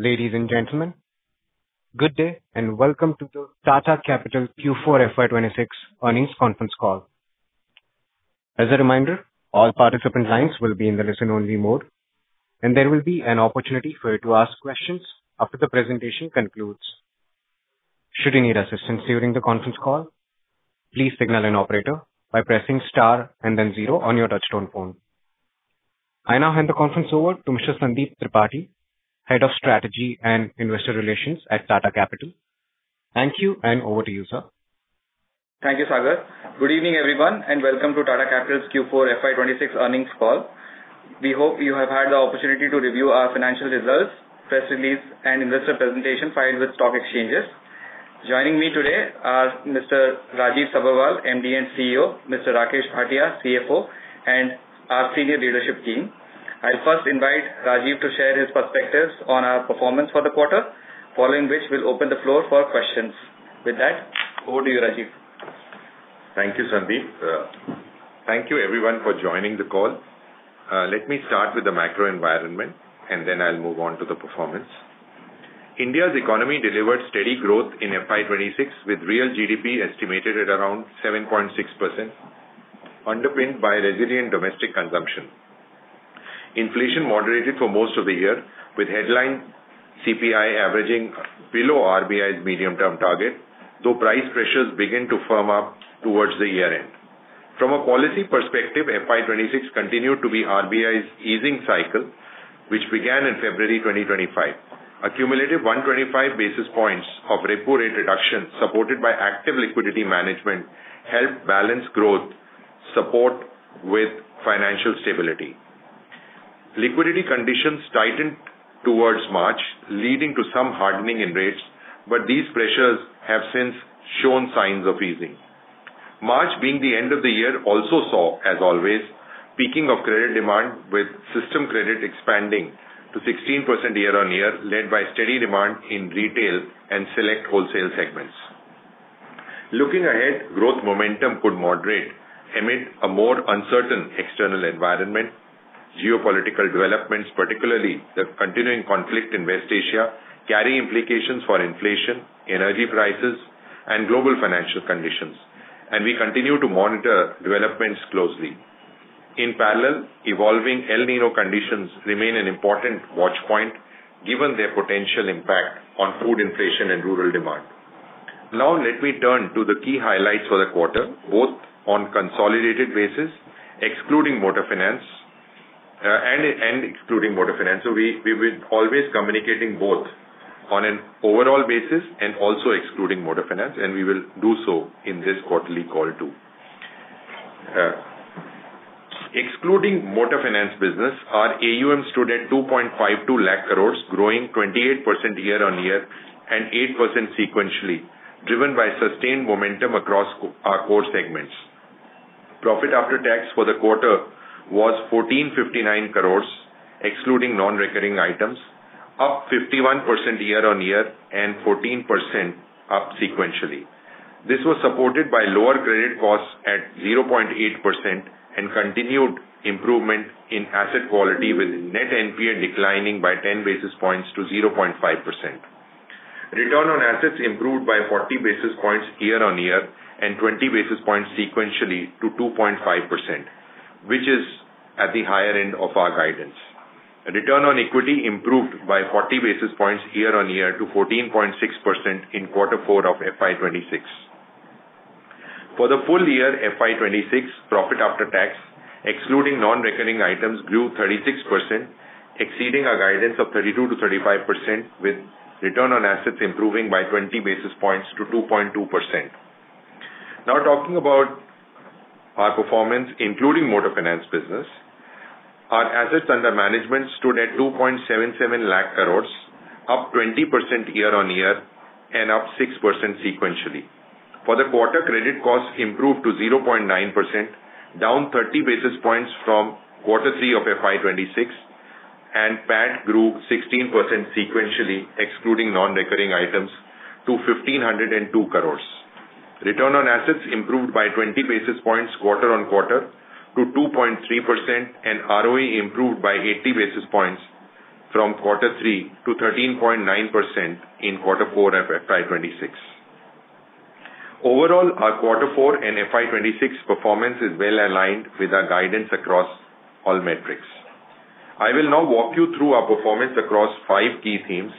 Ladies and gentlemen, good day and welcome to the Tata Capital Q4 FY 2026 earnings conference call. As a reminder, all participant lines will be in the listen only mode, and there will be an opportunity for you to ask questions after the presentation concludes. Should you need assistance during the conference call, please signal an operator by pressing star and then zero on your touchtone phone. I now hand the conference over to Mr. Sandeep Tripathi, Head of Strategy and Investor Relations at Tata Capital. Thank you, and over to you, sir. Thank you, Sagar. Good evening, everyone, and welcome to Tata Capital's Q4 FY 2026 earnings call. We hope you have had the opportunity to review our financial results, press release, and investor presentation filed with stock exchanges. Joining me today are Mr. Rajiv Sabharwal, MD & CEO, Mr. Rakesh Bhatia, CFO, and our senior leadership team. I'll first invite Rajiv to share his perspectives on our performance for the quarter, following which we'll open the floor for questions. With that, over to you, Rajiv. Thank you, Sandeep. Thank you everyone for joining the call. Let me start with the macro environment, and then I'll move on to the performance. India's economy delivered steady growth in FY 2026, with real GDP estimated at around 7.6%, underpinned by resilient domestic consumption. Inflation moderated for most of the year, with headline CPI averaging below RBI's medium-term target, though price pressures began to firm up towards the year-end. From a policy perspective, FY 2026 continued to be RBI's easing cycle, which began in February 2025. A cumulative 125 basis points of repo rate reduction, supported by active liquidity management, helped balance growth support with financial stability. Liquidity conditions tightened towards March, leading to some hardening in rates, but these pressures have since shown signs of easing. March being the end of the year also saw, as always, peaking of credit demand, with system credit expanding to 16% year-on-year, led by steady demand in retail and select wholesale segments. Looking ahead, growth momentum could moderate amid a more uncertain external environment. Geopolitical developments, particularly the continuing conflict in West Asia, carry implications for inflation, energy prices, and global financial conditions, and we continue to monitor developments closely. In parallel, evolving El Niño conditions remain an important watch point given their potential impact on food inflation and rural demand. Now, let me turn to the key highlights for the quarter, both on consolidated basis and excluding motor finance. We're always communicating both on an overall basis and also excluding motor finance, and we will do so in this quarterly call, too. Excluding motor finance business, our AUM stood at INR 2.52 lakh crore, growing 28% year-on-year and 8% sequentially, driven by sustained momentum across our core segments. Profit after tax for the quarter was 1,459 crore, excluding non-recurring items, up 51% year-on-year and 14% sequentially. This was supported by lower credit costs at 0.8% and continued improvement in asset quality, with net NPA declining by 10 basis points to 0.5%. Return on assets improved by 40 basis points year-on-year and 20 basis points sequentially to 2.5%, which is at the higher end of our guidance. Return on equity improved by 40 basis points year-on-year to 14.6% in quarter four of FY 2026. For the full year FY 2026, profit after tax, excluding non-recurring items, grew 36%, exceeding our guidance of 32%-35%, with return on assets improving by 20 basis points to 2.2%. Now talking about our performance, including motor finance business. Our assets under management stood at 2.77 lakh crore, up 20% year-on-year and up 6% sequentially. For the quarter, credit costs improved to 0.9%, down 30 basis points from quarter three of FY 2026, and PAT grew 16% sequentially, excluding non-recurring items, to 1,502 crore. Return on assets improved by 20 basis points quarter-on-quarter to 2.3%, and ROE improved by 80 basis points from quarter three to 13.9% in quarter four of FY 2026. Overall, our quarter four and FY 2026 performance is well aligned with our guidance across all metrics. I will now walk you through our performance across five key themes,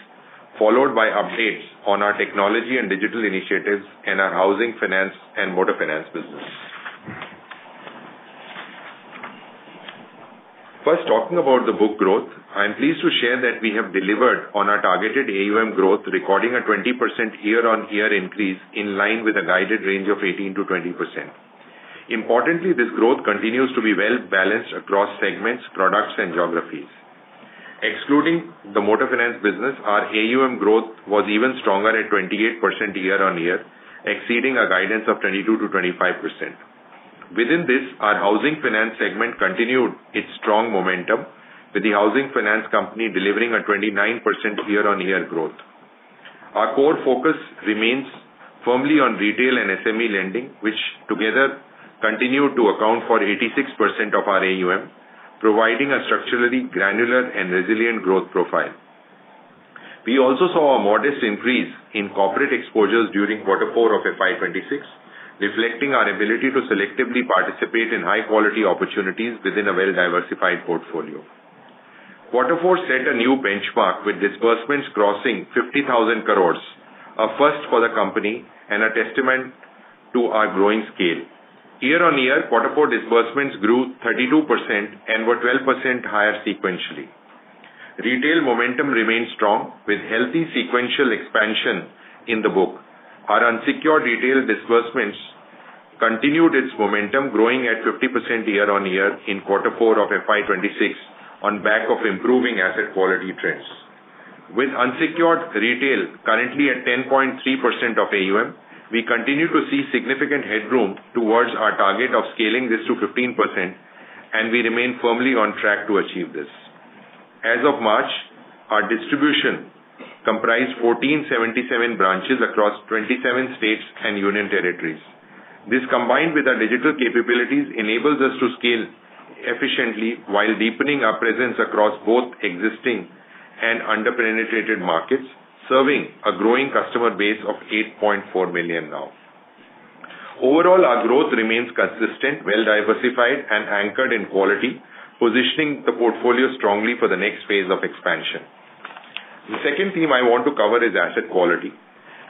followed by updates on our technology and digital initiatives and our housing finance and motor finance business. First, talking about the book growth. I'm pleased to share that we have delivered on our targeted AUM growth, recording a 20% year-on-year increase in line with a guided range of 18%-20%. Importantly, this growth continues to be well balanced across segments, products, and geographies. Excluding the motor finance business, our AUM growth was even stronger at 28% year-on-year, exceeding our guidance of 22%-25%. Within this, our housing finance segment continued its strong momentum, with the housing finance company delivering a 29% year-on-year growth. Our core focus remains firmly on retail and SME lending, which together continue to account for 86% of our AUM, providing a structurally granular and resilient growth profile. We also saw a modest increase in corporate exposures during quarter four of FY 2026, reflecting our ability to selectively participate in high-quality opportunities within a well-diversified portfolio. Quarter four set a new benchmark, with disbursements crossing 50,000 crore, a first for the company and a testament to our growing scale. Year-on-year, quarter four disbursements grew 32% and were 12% higher sequentially. Retail momentum remains strong with healthy sequential expansion in the book. Our unsecured retail disbursements continued its momentum, growing at 50% year-on-year in quarter four of FY 2026, on the back of improving asset quality trends. With unsecured retail currently at 10.3% of AUM, we continue to see significant headroom towards our target of scaling this to 15%, and we remain firmly on track to achieve this. As of March, our distribution comprised 1,477 branches across 27 states and union territories. This, combined with our digital capabilities, enables us to scale efficiently while deepening our presence across both existing and under-penetrated markets, serving a growing customer base of 8.4 million now. Overall, our growth remains consistent, well-diversified, and anchored in quality, positioning the portfolio strongly for the next phase of expansion. The second theme I want to cover is asset quality.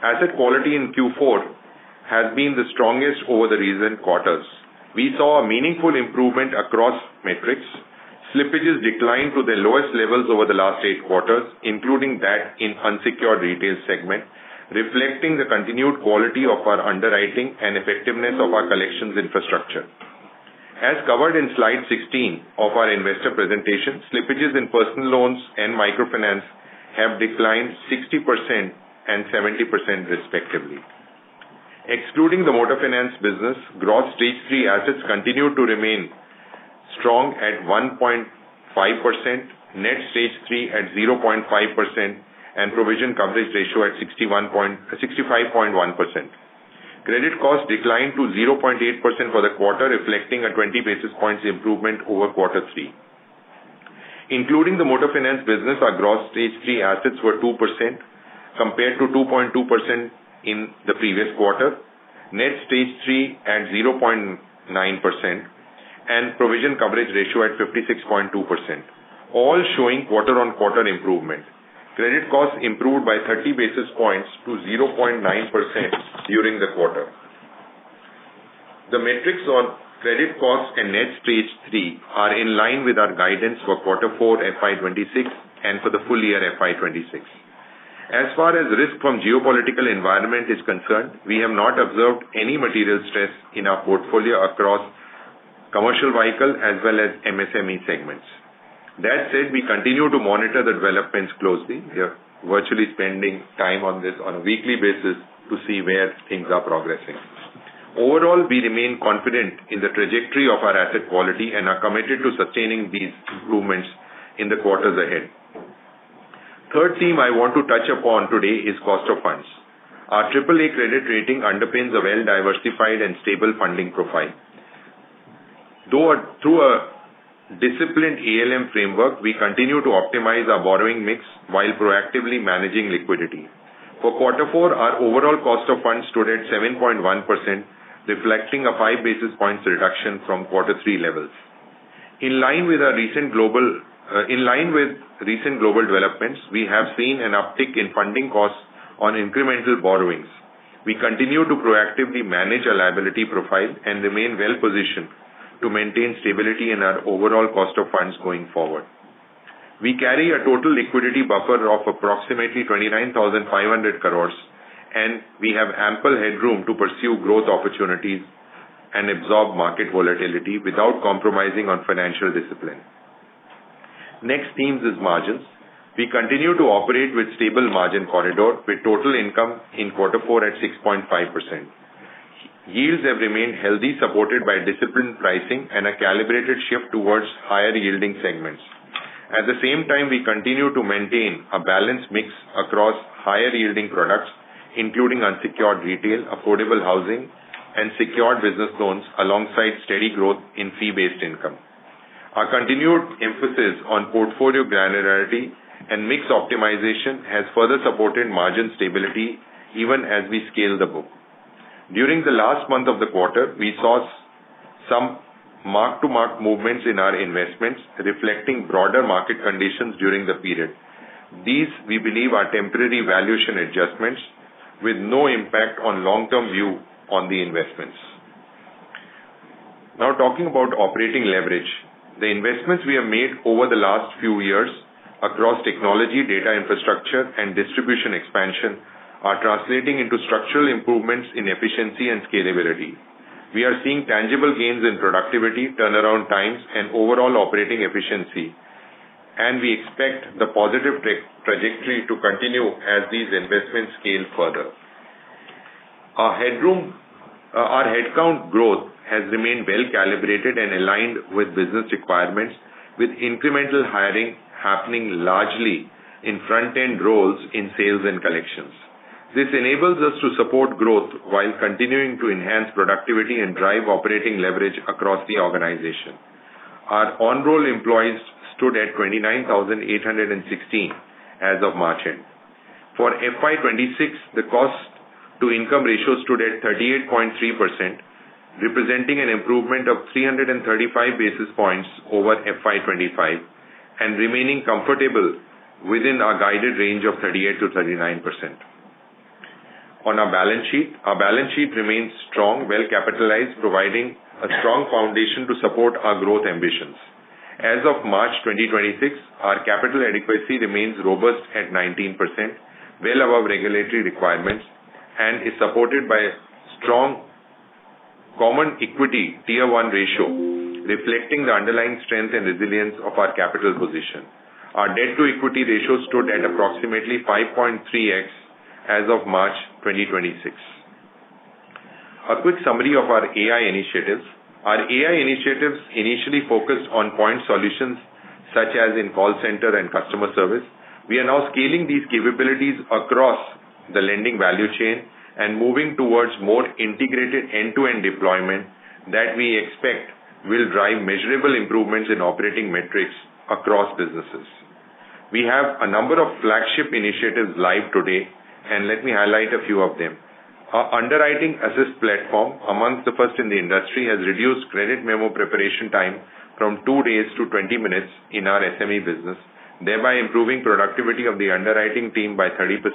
Asset quality in Q4 has been the strongest over the recent quarters. We saw a meaningful improvement across metrics. Slippages declined to their lowest levels over the last eight quarters, including that in unsecured retail segment, reflecting the continued quality of our underwriting and effectiveness of our collections infrastructure. As covered in slide 16 of our investor presentation, slippages in personal loans and microfinance have declined 60% and 70% respectively. Excluding the motor finance business, Gross Stage 3 assets continue to remain strong at 1.5%, Net Stage 3 at 0.5%, and provision coverage ratio at 65.1%. Credit costs declined to 0.8% for the quarter, reflecting a 20 basis points improvement over quarter three. Including the motor finance business, our Gross Stage 3 assets were 2% compared to 2.2% in the previous quarter, Net Stage 3 at 0.9%, and provision coverage ratio at 56.2%, all showing quarter-on-quarter improvement. Credit costs improved by 30 basis points to 0.9% during the quarter. The metrics on credit costs and Net Stage 3 are in line with our guidance for quarter four FY 2026 and for the full year FY 2026. As far as risk from geopolitical environment is concerned, we have not observed any material stress in our portfolio across commercial vehicles as well as MSME segments. That said, we continue to monitor the developments closely. We are virtually spending time on this on a weekly basis to see where things are progressing. Overall, we remain confident in the trajectory of our asset quality and are committed to sustaining these improvements in the quarters ahead. Third theme I want to touch upon today is cost of funds. Our AAA credit rating underpins a well-diversified and stable funding profile. Through a disciplined ALM framework, we continue to optimize our borrowing mix while proactively managing liquidity. For quarter four, our overall cost of funds stood at 7.1%, reflecting a five basis points reduction from quarter three levels. In line with recent global developments, we have seen an uptick in funding costs on incremental borrowings. We continue to proactively manage our liability profile and remain well-positioned to maintain stability in our overall cost of funds going forward. We carry a total liquidity buffer of approximately 29,500 crores, and we have ample headroom to pursue growth opportunities and absorb market volatility without compromising on financial discipline. Next theme is margins. We continue to operate with stable margin corridor with total income in quarter four at 6.5%. Yields have remained healthy, supported by disciplined pricing and a calibrated shift towards higher-yielding segments. At the same time, we continue to maintain a balanced mix across higher-yielding products, including unsecured retail, affordable housing, and secured business loans, alongside steady growth in fee-based income. Our continued emphasis on portfolio granularity and mix optimization has further supported margin stability even as we scale the book. During the last month of the quarter, we saw some mark-to-mark movements in our investments, reflecting broader market conditions during the period. These, we believe, are temporary valuation adjustments with no impact on long-term view on the investments. Now talking about operating leverage. The investments we have made over the last few years across technology, data infrastructure, and distribution expansion are translating into structural improvements in efficiency and scalability. We are seeing tangible gains in productivity, turnaround times, and overall operating efficiency, and we expect the positive trajectory to continue as these investments scale further. Our headcount growth has remained well calibrated and aligned with business requirements, with incremental hiring happening largely in front-end roles in sales and collections. This enables us to support growth while continuing to enhance productivity and drive operating leverage across the organization. Our on-roll employees stood at 29,816 as of March end. For FY 2026, the cost-to-income ratio stood at 38.3%, representing an improvement of 335 basis points over FY 2025 and remaining comfortable within our guided range of 38%-39%. On our balance sheet remains strong, well capitalized, providing a strong foundation to support our growth ambitions. As of March 2026, our capital adequacy remains robust at 19%, well above regulatory requirements, and is supported by a strong common equity Tier 1 ratio, reflecting the underlying strength and resilience of our capital position. Our debt-to-equity ratio stood at approximately 5.3x as of March 2026. A quick summary of our AI initiatives. Our AI initiatives initially focused on point solutions such as in call center and customer service. We are now scaling these capabilities across the lending value chain and moving towards more integrated end-to-end deployment that we expect will drive measurable improvements in operating metrics across businesses. We have a number of flagship initiatives live today, and let me highlight a few of them. Our underwriting assist platform, among the first in the industry, has reduced credit memo preparation time from 2days-20 minutes in our SME business, thereby improving productivity of the underwriting team by 30%.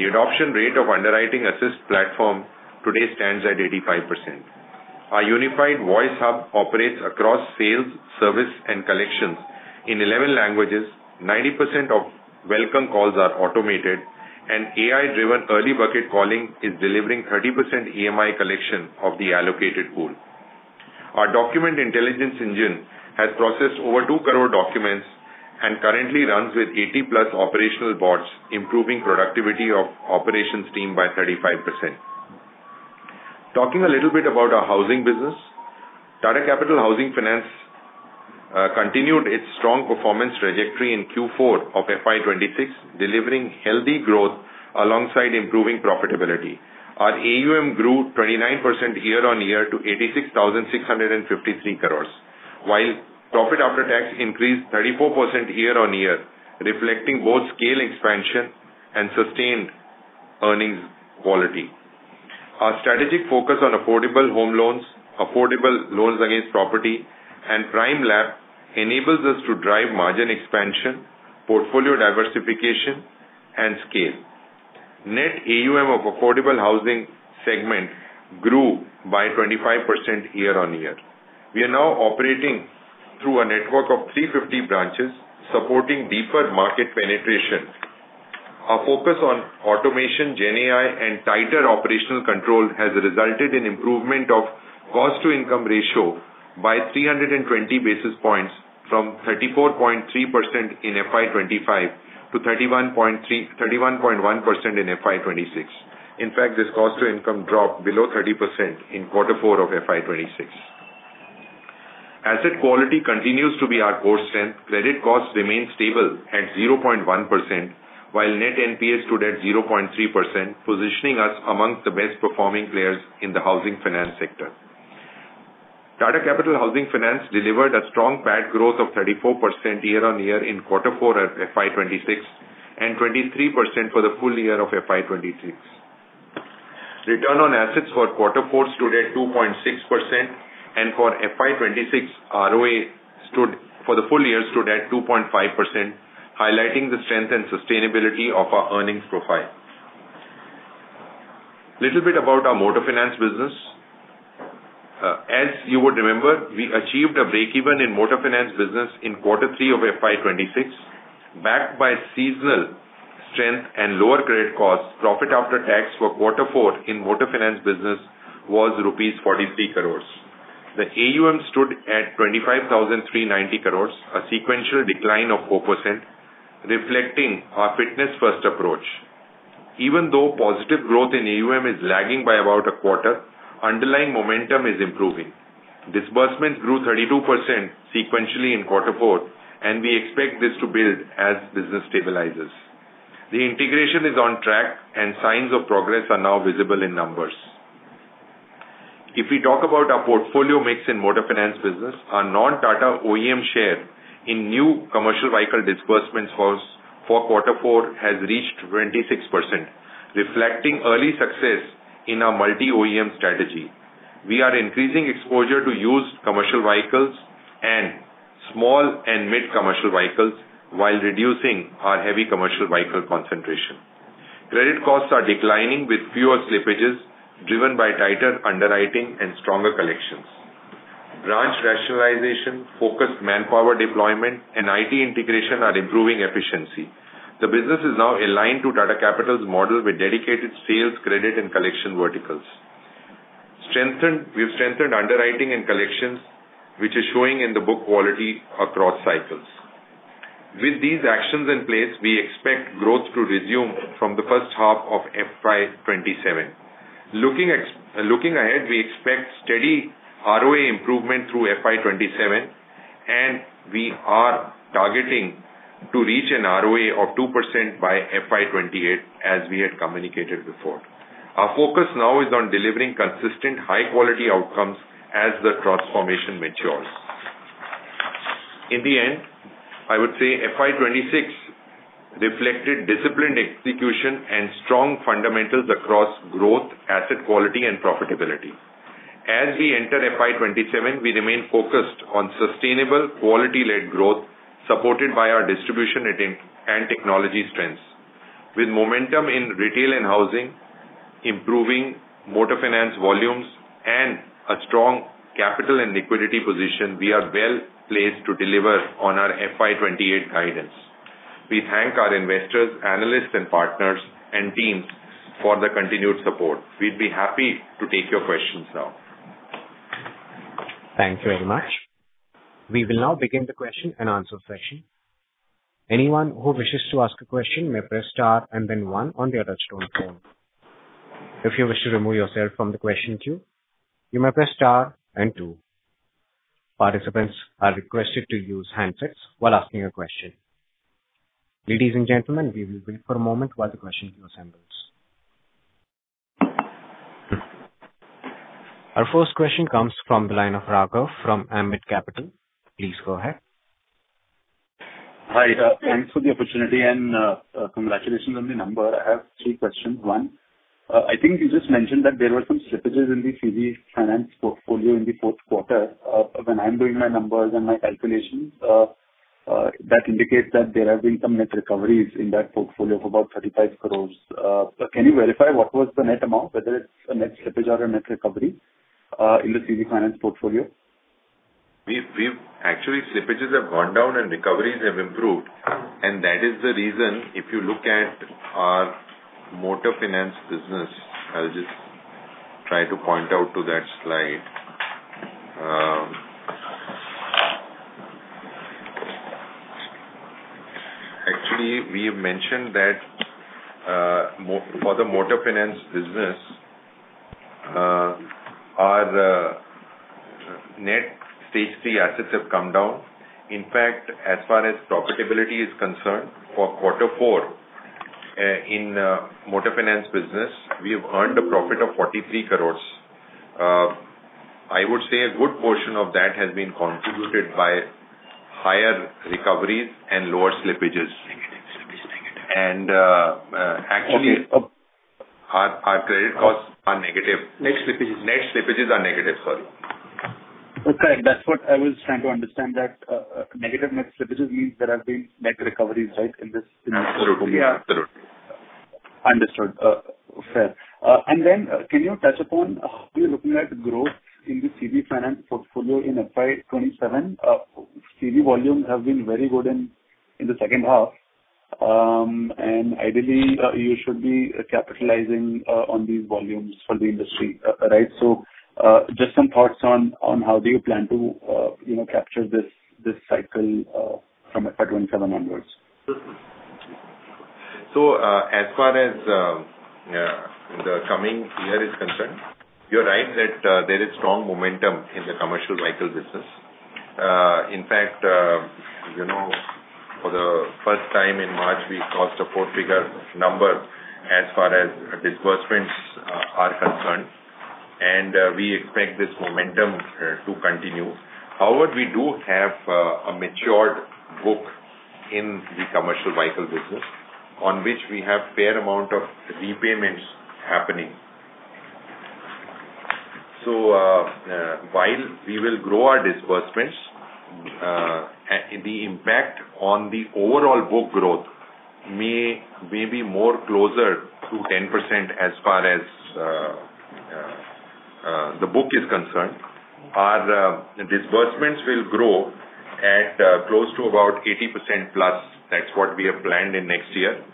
The adoption rate of underwriting assist platform today stands at 85%. Our unified voice hub operates across sales, service, and collections in 11 languages. 90% of welcome calls are automated and AI-driven early bucket calling is delivering 30% EMI collection of the allocated pool. Our document intelligence engine has processed over 2 crore documents and currently runs with 80+ operational bots, improving productivity of operations team by 35%. Talking a little bit about our housing business. Tata Capital Housing Finance continued its strong performance trajectory in Q4 of FY 2026, delivering healthy growth alongside improving profitability. Our AUM grew 29% year-on-year to 86,653 crore, while profit after tax increased 34% year-on-year, reflecting both scale expansion and sustained earnings quality. Our strategic focus on affordable home loans, affordable loans against property, and Prime LAP enables us to drive margin expansion, portfolio diversification, and scale. Net AUM of affordable housing segment grew by 25% year-on-year. We are now operating through a network of 350 branches supporting deeper market penetration. Our focus on automation, GenAI, and tighter operational control has resulted in improvement of cost-to-income ratio by 320 basis points from 34.3% in FY 2025 to 31.1% in FY 2026. In fact, this cost to income dropped below 30% in quarter four of FY 2026. Asset quality continues to be our core strength. Credit costs remain stable at 0.1%, while net NPA stood at 0.3%, positioning us amongst the best performing players in the housing finance sector. Tata Capital Housing Finance delivered a strong PAT growth of 34% year-on-year in quarter four of FY 2026 and 23% for the full year of FY 2026. Return on assets for quarter four stood at 2.6% and for FY 2026, ROA for the full year stood at 2.5%, highlighting the strength and sustainability of our earnings profile. Little bit about our motor finance business. As you would remember, we achieved a breakeven in motor finance business in quarter three of FY 2026, backed by seasonal strength and lower credit costs, profit after tax for quarter four in motor finance business was rupees 43 crore. The AUM stood at 25,390 crore, a sequential decline of 4%, reflecting our fitness first approach. Even though positive growth in AUM is lagging by about a quarter, underlying momentum is improving. Disbursement grew 32% sequentially in quarter four, and we expect this to build as business stabilizes. The integration is on track and signs of progress are now visible in numbers. If we talk about our portfolio mix in motor finance business, our non-Tata OEM share in new commercial vehicle disbursements for quarter four has reached 26%, reflecting early success in our multi-OEM strategy. We are increasing exposure to used commercial vehicles and small and mid commercial vehicles while reducing our heavy commercial vehicle concentration. Credit costs are declining with fewer slippages driven by tighter underwriting and stronger collections. Branch rationalization, focused manpower deployment, and IT integration are improving efficiency. The business is now aligned to Tata Capital's model with dedicated sales, credit and collection verticals, strengthened. We've strengthened underwriting and collections, which is showing in the book quality across cycles. With these actions in place, we expect growth to resume from the first half of FY 2027. Looking ahead, we expect steady ROA improvement through FY 2027, and we are targeting to reach an ROA of 2% by FY 2028, as we had communicated before. Our focus now is on delivering consistent high-quality outcomes as the transformation matures. In the end, I would say FY 2026 reflected disciplined execution and strong fundamentals across growth, asset quality and profitability. As we enter FY 2027, we remain focused on sustainable quality-led growth, supported by our distribution and technology strengths. With momentum in retail and housing, improving motor finance volumes, and a strong capital and liquidity position, we are well placed to deliver on our FY 2028 guidance. We thank our investors, analysts and partners and teams for the continued support. We'd be happy to take your questions now. Thank you very much. We will now begin the question and answer session. Anyone who wishes to ask a question may press star and then one on their touchtone phone. If you wish to remove yourself from the question queue, you may press star and two. Participants are requested to use handsets while asking a question. Ladies and gentlemen, we will wait for a moment while the question queue assembles. Our first question comes from the line of Raghav from Ambit Capital. Please go ahead. Hi. Thanks for the opportunity and congratulations on the number. I have three questions. One, I think you just mentioned that there were some slippages in the CV finance portfolio in the fourth quarter. When I'm doing my numbers and my calculations, that indicates that there have been some net recoveries in that portfolio of about 35 crore. Can you verify what was the net amount, whether it's a net slippage or a net recovery, in the CV finance portfolio? Actually, slippages have gone down and recoveries have improved. That is the reason, if you look at our motor finance business, I'll just try to point out to that slide. Actually, we have mentioned that for the motor finance business, our Net Stage 3 assets have come down. In fact, as far as profitability is concerned, for quarter four in motor finance business, we have earned a profit of 43 crore. I would say a good portion of that has been contributed by higher recoveries and lower slippages. Negative, slippage negative. Actually our credit costs are negative. Net slippage. Net slippages are negative, sorry. Okay. That's what I was trying to understand, that negative net slippages means there have been net recoveries, right? In this... Absolutely. Understood. Fair. Can you touch upon how you're looking at growth in the CV finance portfolio in FY 2027? CV volumes have been very good in the second half. Ideally, you should be capitalizing on these volumes for the industry. Right? Just some thoughts on how do you plan to capture this cycle from FY 2027 onwards? As far as the coming year is concerned, you're right that there is strong momentum in the commercial vehicle business. In fact, for the first time in March, we crossed a four-figure number as far as disbursements are concerned, and we expect this momentum to continue. However, we do have a matured book in the commercial vehicle business on which we have fair amount of repayments happening. While we will grow our disbursements, the impact on the overall book growth may be more closer to 10% as far as the book is concerned. Our disbursements will grow at close to about 80%+. That's what we have planned in next year.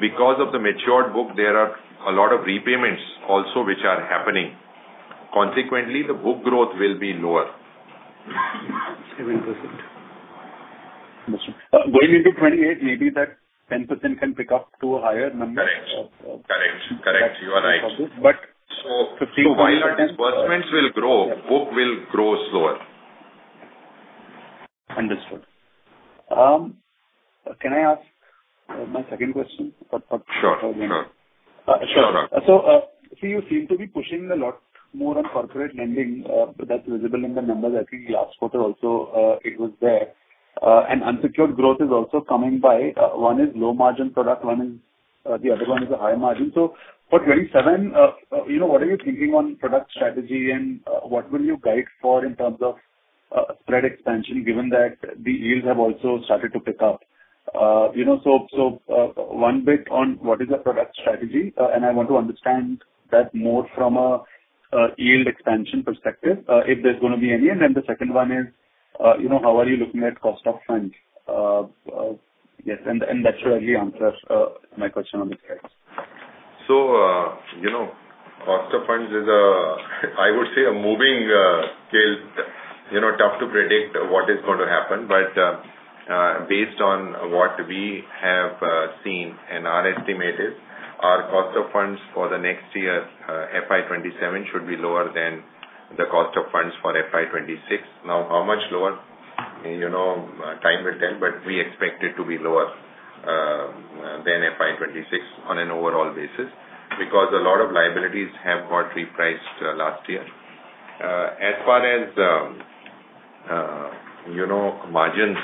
Because of the matured book, there are a lot of repayments also which are happening. Consequently, the book growth will be lower. 7%. Going into 2028, maybe that 10% can pick up to a higher number. Correct. You are right. But- While our disbursements will grow, book will grow slower. Understood. Can I ask my second question? Sure. You seem to be pushing a lot more on corporate lending, that's visible in the numbers. I think last quarter also, it was there. Unsecured growth is also coming by. One is low margin product, the other one is a high margin. For 2027, what are you thinking on product strategy and what will you guide for in terms of spread expansion, given that the yields have also started to pick up? One bit on what is the product strategy, and I want to understand that more from a yield expansion perspective, if there's going to be any. Then the second one is, how are you looking at cost of funds? Yes, and that surely answers my question on this, guys. Cost of funds is, I would say, a moving scale. Tough to predict what is going to happen, but based on what we have seen and our estimated cost of funds for the next year, FY 2027, should be lower than the cost of funds for FY 2026. Now, how much lower? Time will tell, but we expect it to be lower than FY 2026 on an overall basis because a lot of liabilities have got repriced last year. As far as margins,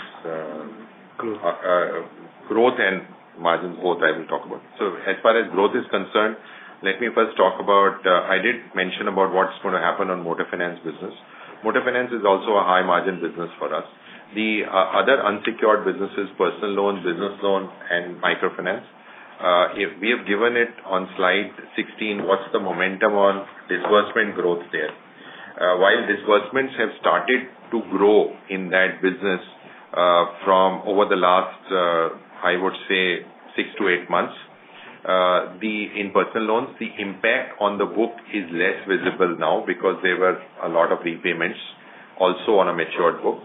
growth and margins, both I will talk about. As far as growth is concerned, let me first talk about, I did mention about what's going to happen on motor finance business. Motor finance is also a high-margin business for us. The other unsecured businesses, personal loans, business loans, and microfinance, we have given it on slide 16, what's the momentum on disbursement growth there. While disbursements have started to grow in that business from over the last, I would say, 6-8 months. In personal loans, the impact on the book is less visible now because there were a lot of repayments also on a matured book.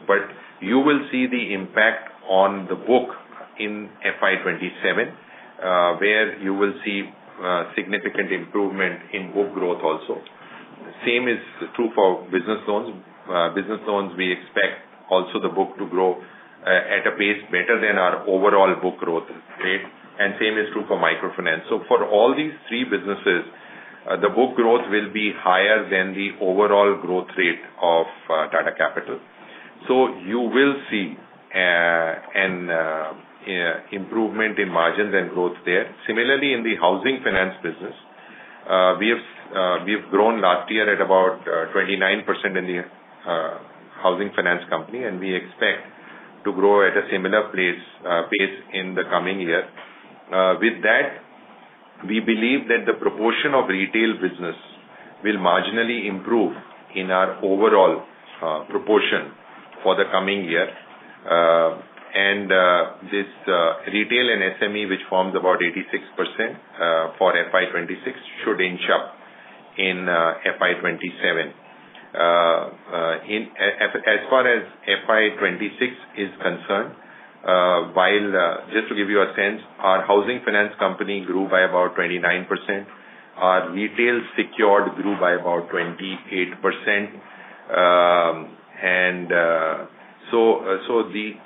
You will see the impact on the book in FY 2027, where you will see significant improvement in book growth also. Same is true for business loans. Business loans, we expect also the book to grow at a pace better than our overall book growth rate, and same is true for microfinance. For all these three businesses, the book growth will be higher than the overall growth rate of Tata Capital. You will see an improvement in margins and growth there. Similarly, in the housing finance business, we've grown last year at about 29% in the housing finance company, and we expect to grow at a similar pace in the coming year. With that, we believe that the proportion of retail business will marginally improve in our overall proportion for the coming year. This retail and SME, which forms about 86% for FY 2026, should inch up in FY 2027. As far as FY 2026 is concerned, just to give you a sense, our Housing Finance company grew by about 29%. Our retail secured grew by about 28%.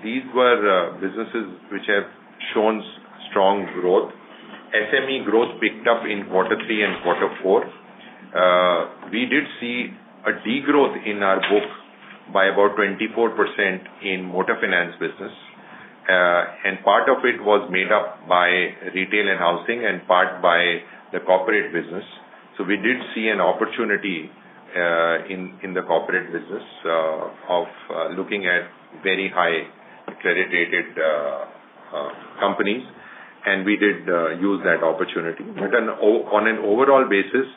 These were businesses which have shown strong growth. SME growth picked up in quarter three and quarter four. We did see a degrowth in our books by about 24% in motor finance business, and part of it was made up by retail and housing and part by the corporate business. We did see an opportunity in the corporate business of looking at very high credit rated companies, and we did use that opportunity. On an overall basis,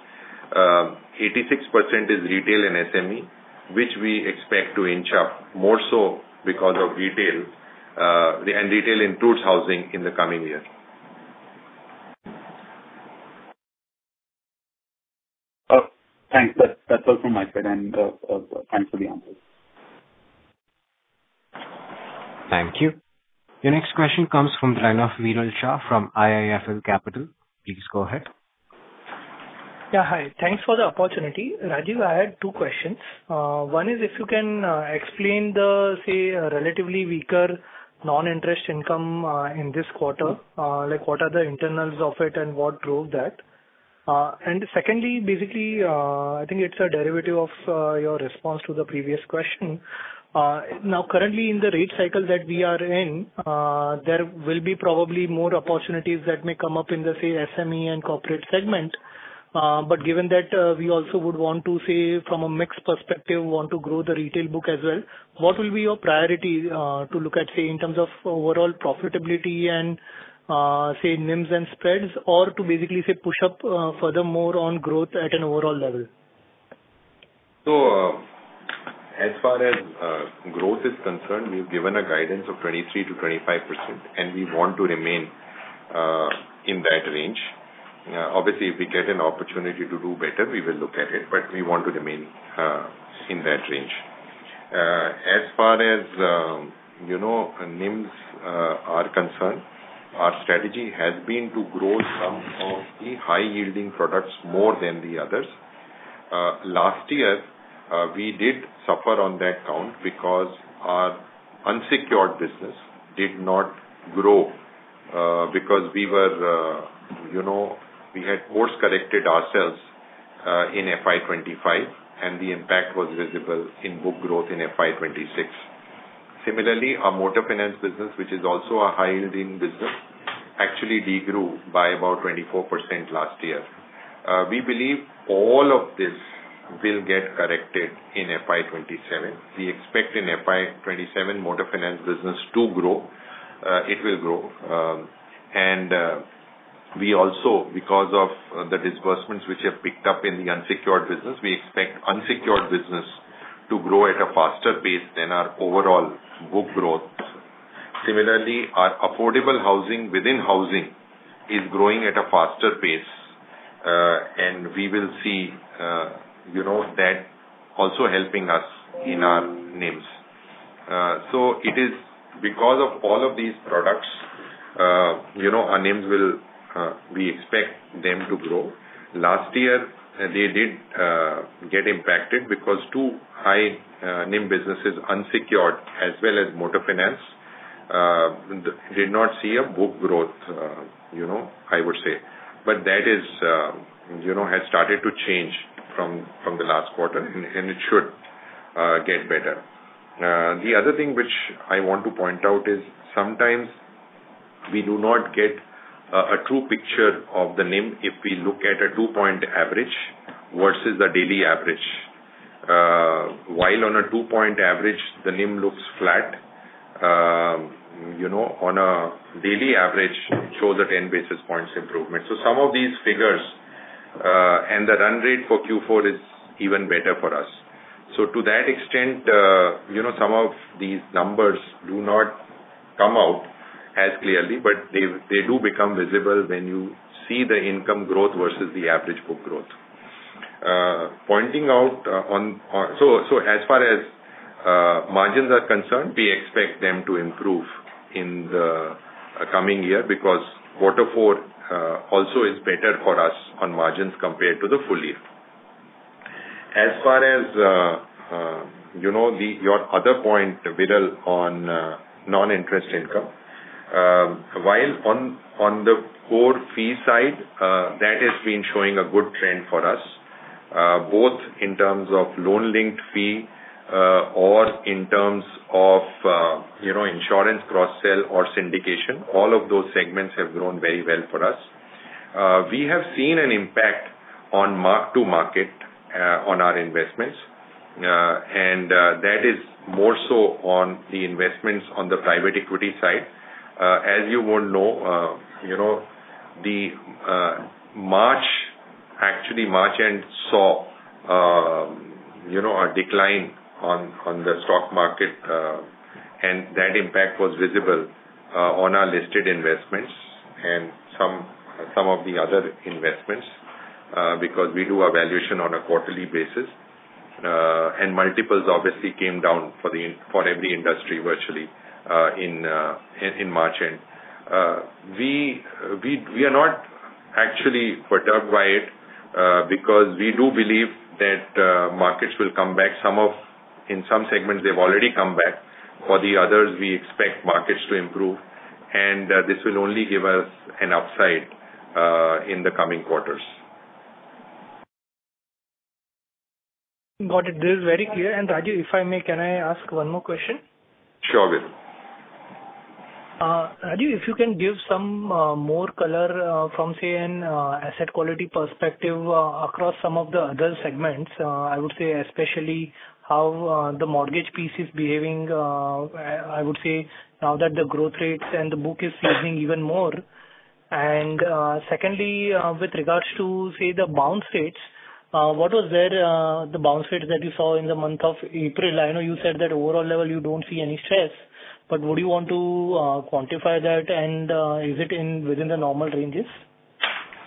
86% is retail and SME, which we expect to inch up, more so because of retail, and retail includes housing in the coming year. Thanks. That's all from my side, and thanks for the answers. Thank you. Your next question comes from the line of Viral Shah from IIFL Capital. Please go ahead. Yeah. Hi. Thanks for the opportunity. Rajiv, I had two questions. One is if you can explain the, say, relatively weaker non-interest income in this quarter. Like, what are the internals of it and what drove that? Secondly, basically, I think it's a derivative of your response to the previous question. Now, currently in the rate cycle that we are in, there will be probably more opportunities that may come up in the, say, SME and corporate segment. Given that we also would want to say from a mixed perspective, want to grow the retail book as well, what will be your priority to look at, say, in terms of overall profitability and, say, NIMS and spreads? Or to basically, say, push up furthermore on growth at an overall level? As far as growth is concerned, we've given a guidance of 23%-25%, and we want to remain in that range. Obviously, if we get an opportunity to do better, we will look at it, but we want to remain in that range. As far as NIMS are concerned, our strategy has been to grow some of the high-yielding products more than the others. Last year, we did suffer on that count because our unsecured business did not grow because we had course-corrected ourselves in FY 2025, and the impact was visible in book growth in FY 2026. Similarly, our motor finance business, which is also a high-yielding business, actually degrew by about 24% last year. We believe all of this will get corrected in FY 2027. We expect in FY 2027 motor finance business to grow. It will grow. We also, because of the disbursements which have picked up in the unsecured business, we expect unsecured business to grow at a faster pace than our overall book growth. Similarly, our affordable housing within housing is growing at a faster pace, and we will see that also helping us in our NIMs. It is because of all of these products, our NIMs, we expect them to grow. Last year, they did get impacted because two high NIM businesses, unsecured as well as motor finance, did not see a book growth, I would say. That has started to change from the last quarter, and it should get better. The other thing which I want to point out is sometimes we do not get a true picture of the NIM if we look at a two-point average versus a daily average. While on a two point average, the NIM looks flat, on a daily average, it shows a 10 basis points improvement. Some of these figures and the run rate for Q4 is even better for us. To that extent, some of these numbers do not come out as clearly, but they do become visible when you see the income growth versus the average book growth. As far as margins are concerned, we expect them to improve in the coming year because quarter four also is better for us on margins compared to the full year. As far as your other point, Viral, on non-interest income, while on the core fee side, that has been showing a good trend for us, both in terms of loan linked fee or in terms of insurance cross-sell or syndication. All of those segments have grown very well for us. We have seen an impact on mark to market on our investments, and that is more so on the investments on the private equity side. As you would know, actually March end saw a decline on the stock market, and that impact was visible on our listed investments and some of the other investments, because we do a valuation on a quarterly basis. Multiples obviously came down for every industry, virtually, in March end. We are not actually perturbed by it, because we do believe that markets will come back. In some segments, they've already come back. For the others, we expect markets to improve, and this will only give us an upside in the coming quarters. Got it. This is very clear. Rajiv, if I may, can I ask one more question? Sure, Viral. Rajiv, if you can give some more color from, say, an asset quality perspective across some of the other segments. I would say especially how the mortgage piece is behaving, I would say now that the growth rates and the book is seasoned even more. Secondly, with regards to, say, the bounce rates, what was the bounce rate that you saw in the month of April? I know you said that overall level you don't see any stress, but would you want to quantify that, and is it within the normal ranges?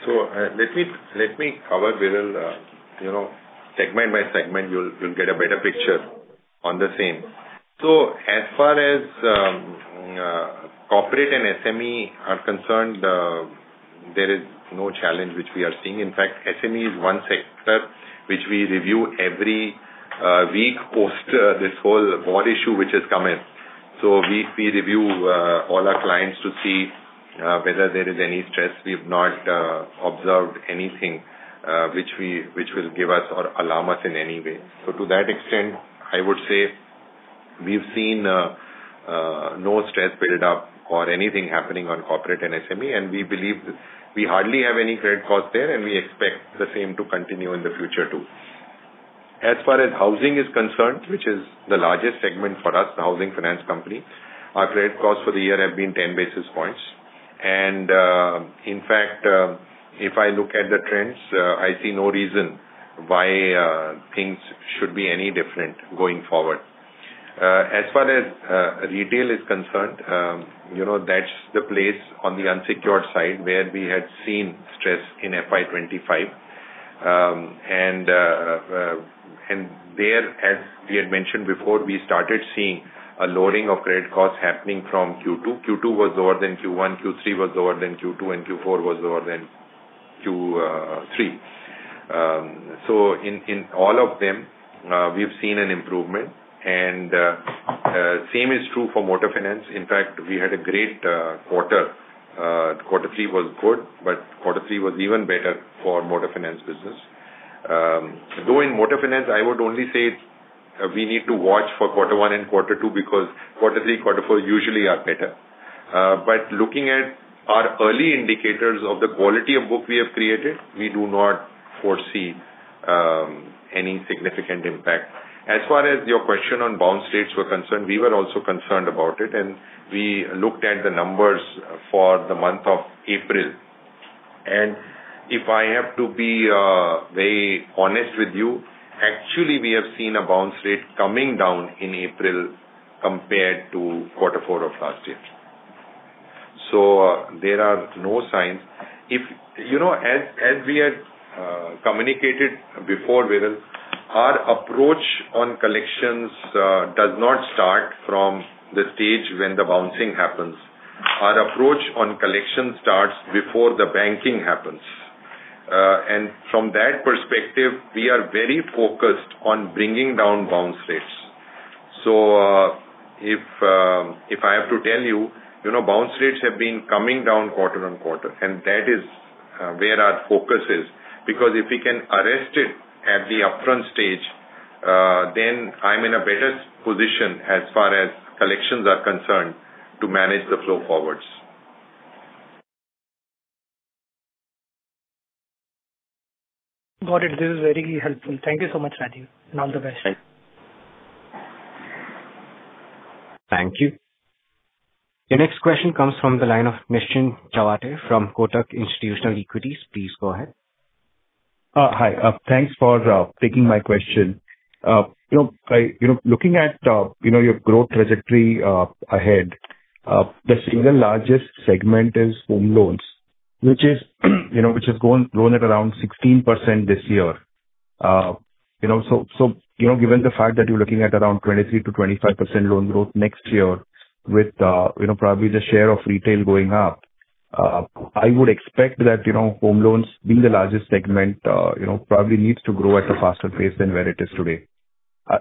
Let me cover, Viral, segment by segment. You'll get a better picture on the same. As far as corporate and SME are concerned, there is no challenge which we are seeing. In fact, SME is one sector which we review every week post this whole VOD issue which has come in. We review all our clients to see whether there is any stress. We have not observed anything which will give us or alarm us in any way. To that extent, I would say we've seen no stress build up or anything happening on corporate and SME, and we believe we hardly have any credit cost there, and we expect the same to continue in the future, too. As far as housing is concerned, which is the largest segment for us, the housing finance company, our credit costs for the year have been 10 basis points. In fact, if I look at the trends, I see no reason why things should be any different going forward. As far as retail is concerned, that's the place on the unsecured side where we had seen stress in FY 2025. There, as we had mentioned before, we started seeing a loading of credit costs happening from Q2. Q2 was lower than Q1, Q3 was lower than Q2, and Q4 was lower than Q3. In all of them, we've seen an improvement, and same is true for motor finance. In fact, we had a great quarter. Quarter three was good, but quarter three was even better for Motor Finance business. Though in Motor Finance, I would only say we need to watch for quarter one and quarter two because quarter three, quarter four usually are better. Looking at our early indicators of the quality of book we have created, we do not foresee any significant impact. As far as your question on bounce rates were concerned, we were also concerned about it, and we looked at the numbers for the month of April. If I have to be very honest with you, actually, we have seen a bounce rate coming down in April compared to quarter four of last year. There are no signs. As we had communicated before, Viral, our approach on collections does not start from the stage when the bouncing happens. Our approach on collection starts before the bouncing happens. From that perspective, we are very focused on bringing down bounce rates. If I have to tell you, bounce rates have been coming down quarter-on-quarter, and that is where our focus is. If we can arrest it at the upfront stage, then I'm in a better position as far as collections are concerned to manage the flow forward. Got it. This is very helpful. Thank you so much, Rajiv Sabharwal. All the best. Thank you. Thank you. The next question comes from the line of Nischint Chawathe from Kotak Institutional Equities. Please go ahead. Hi. Thanks for taking my question. Looking at your growth trajectory ahead, the single largest segment is home loans, which has grown at around 16% this year. Given the fact that you're looking at around 23%-25% loan growth next year with probably the share of retail going up, I would expect that home loans being the largest segment probably needs to grow at a faster pace than where it is today.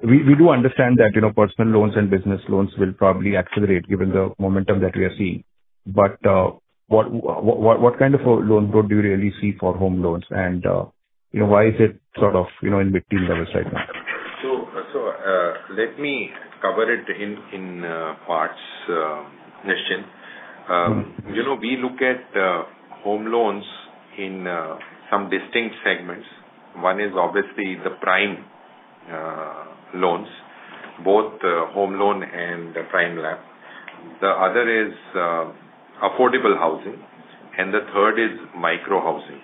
We do understand that personal loans and business loans will probably accelerate given the momentum that we are seeing. What kind of a loan growth do you really see for home loans and why is it sort of in between levels right now? Let me cover it in parts, Nischint. We look at home loans in some distinct segments. One is obviously the prime loans, both home loan and Prime LAP. The other is affordable housing, and the third is micro housing.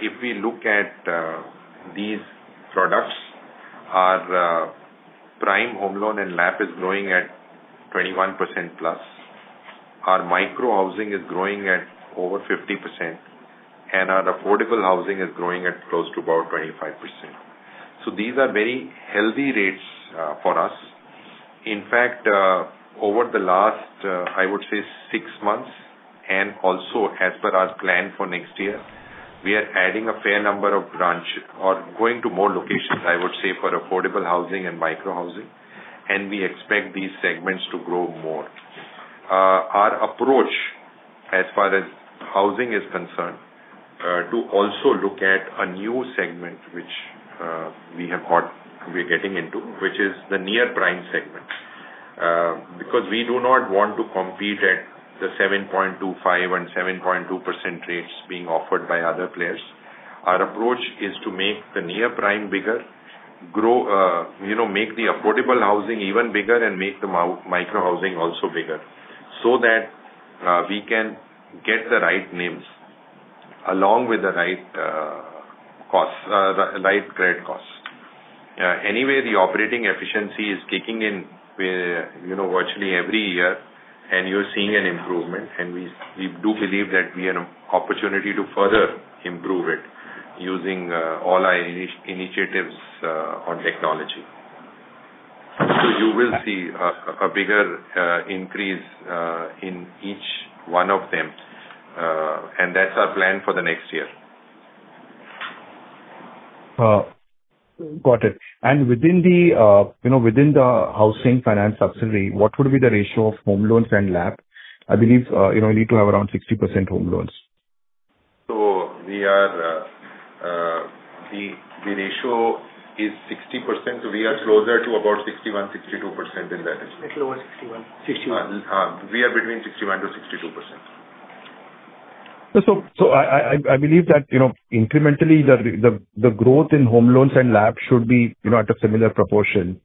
If we look at these products, our prime home loan and LAP is growing at 21%+. Our micro housing is growing at over 50%, and our affordable housing is growing at close to about 25%. These are very healthy rates for us. In fact, over the last, I would say, six months, and also as per our plan for next year, we are adding a fair number of branches or going to more locations, I would say, for affordable housing and micro housing, and we expect these segments to grow more. Our approach, as far as housing is concerned, to also look at a new segment, which we're getting into, which is the near-prime segment. Because we do not want to compete at the 7.25% and 7.2% rates being offered by other players. Our approach is to make the near prime bigger, make the affordable housing even bigger, and make the micro housing also bigger, so that we can get the right names along with the right credit cost. Anyway, the operating efficiency is kicking in virtually every year and you're seeing an improvement. We do believe that we have an opportunity to further improve it using all our initiatives on technology. You will see a bigger increase in each one of them, and that's our plan for the next year. Got it. Within the housing finance subsidiary, what would be the ratio of home loans and LAP? I believe you need to have around 60% home loans. The ratio is 60%. We are closer to about 61%-62% in that. It's lower 61%. We are between 61%-62%. I believe that incrementally, the growth in home loans and LAP should be at a similar proportion,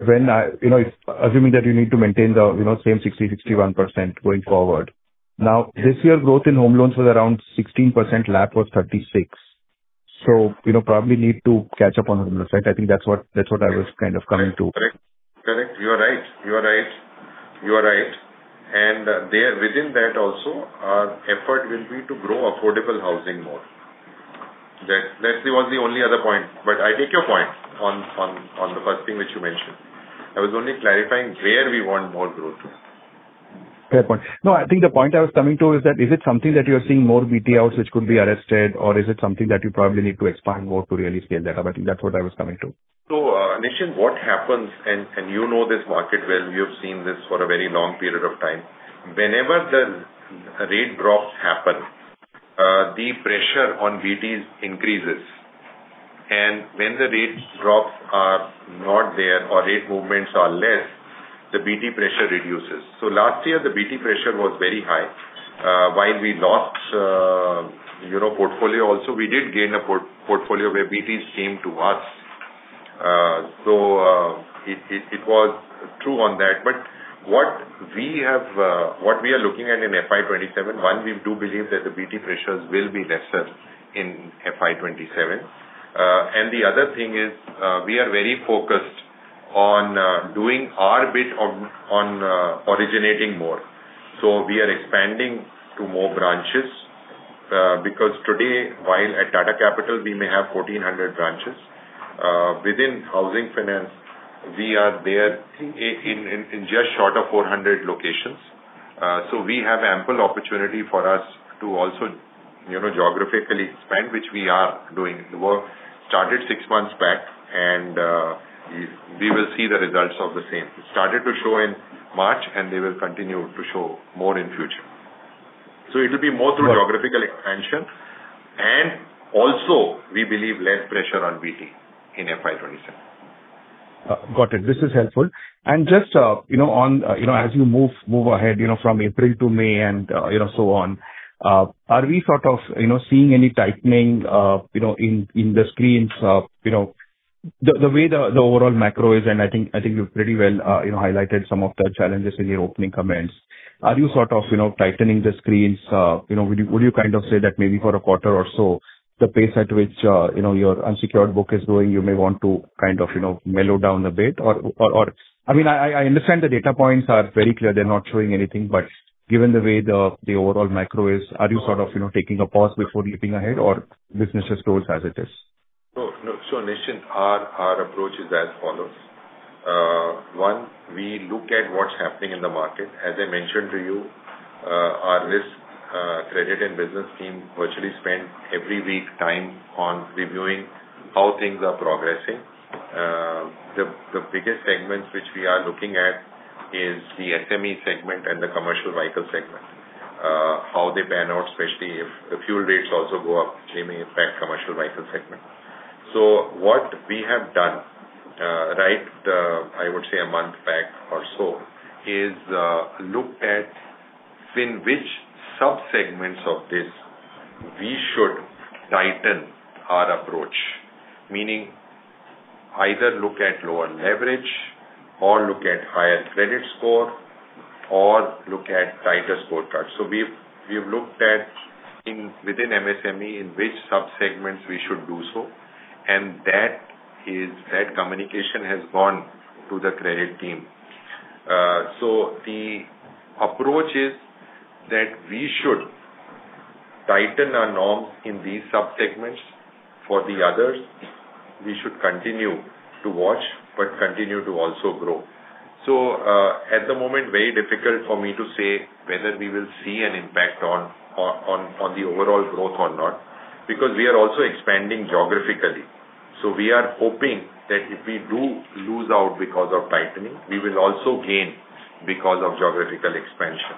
assuming that you need to maintain the same 60%, 61% going forward. Now, this year's growth in home loans was around 16%, LAP was 36%. Probably need to catch up on home loans. Right? I think that's what I was kind of coming to. Correct. You are right. Within that also, our effort will be to grow affordable housing more. That was the only other point. I take your point on the first thing which you mentioned. I was only clarifying where we want more growth. Fair point. No, I think the point I was coming to is that, is it something that you are seeing more VTs outs which could be arrested, or is it something that you probably need to expand more to really scale that up? I think that's what I was coming to. Nischint, what happens, and you know this market well, you've seen this for a very long period of time. Whenever the rate drops happen, the pressure on VTs increases. When the rate drops are not there or rate movements are less, the BT pressure reduces. Last year, the BT pressure was very high. While we lost portfolio also, we did gain a portfolio where BTs came to us. It was true on that. What we are looking at in FY 2027, one, we do believe that the BT pressures will be lesser in FY 2027. The other thing is, we are very focused on doing our bit on originating more. We are expanding to more branches, because today, while at Tata Capital we may have 1,400 branches, within Housing Finance we are there in just short of 400 locations. We have ample opportunity for us to also geographically expand, which we are doing. The work started six months back, and we will see the results of the same. It started to show in March, and they will continue to show more in future. It will be more through geographical expansion. Also, we believe less pressure on BT in FY 2027. Got it. This is helpful. Just as you move ahead from April to May and so on, are we sort of seeing any tightening in the screens? The way the overall macro is, and I think you've pretty well highlighted some of the challenges in your opening comments. Are you sort of tightening the screens? Would you say that maybe for a quarter or so, the pace at which your unsecured book is going, you may want to kind of mellow down a bit? I understand the data points are very clear. They're not showing anything. Given the way the overall macro is, are you sort of taking a pause before leaping ahead or business as usual as it is? No. Nischint, our approach is as follows. One, we look at what's happening in the market. As I mentioned to you, our risk, credit, and business team virtually spend every week time on reviewing how things are progressing. The biggest segments which we are looking at is the SME segment and the commercial vehicle segment, how they pan out, especially if the fuel rates also go up, which may impact commercial vehicle segment. What we have done, I would say a month back or so, is look at in which subsegments of this we should tighten our approach. Meaning either look at lower leverage or look at higher credit score or look at tighter scorecards. We've looked at within MSME, in which subsegments we should do so, and that communication has gone to the credit team. The approach is that we should tighten our norms in these subsegments. For the others, we should continue to watch, but continue to also grow. At the moment, very difficult for me to say whether we will see an impact on the overall growth or not, because we are also expanding geographically. We are hoping that if we do lose out because of tightening, we will also gain because of geographical expansion.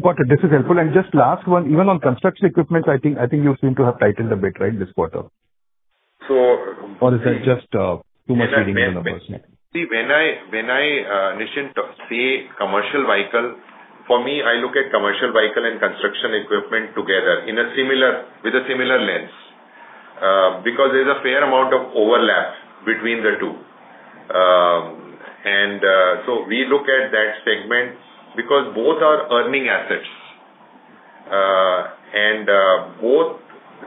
Got it. This is helpful. Just last one, even on construction equipment, I think you seem to have tightened a bit, right, this quarter? So- Is that just too much reading in the numbers? See, when I, Nischint, say commercial vehicle, for me, I look at commercial vehicle and construction equipment together with a similar lens, because there's a fair amount of overlap between the two. We look at that segment because both are earning assets.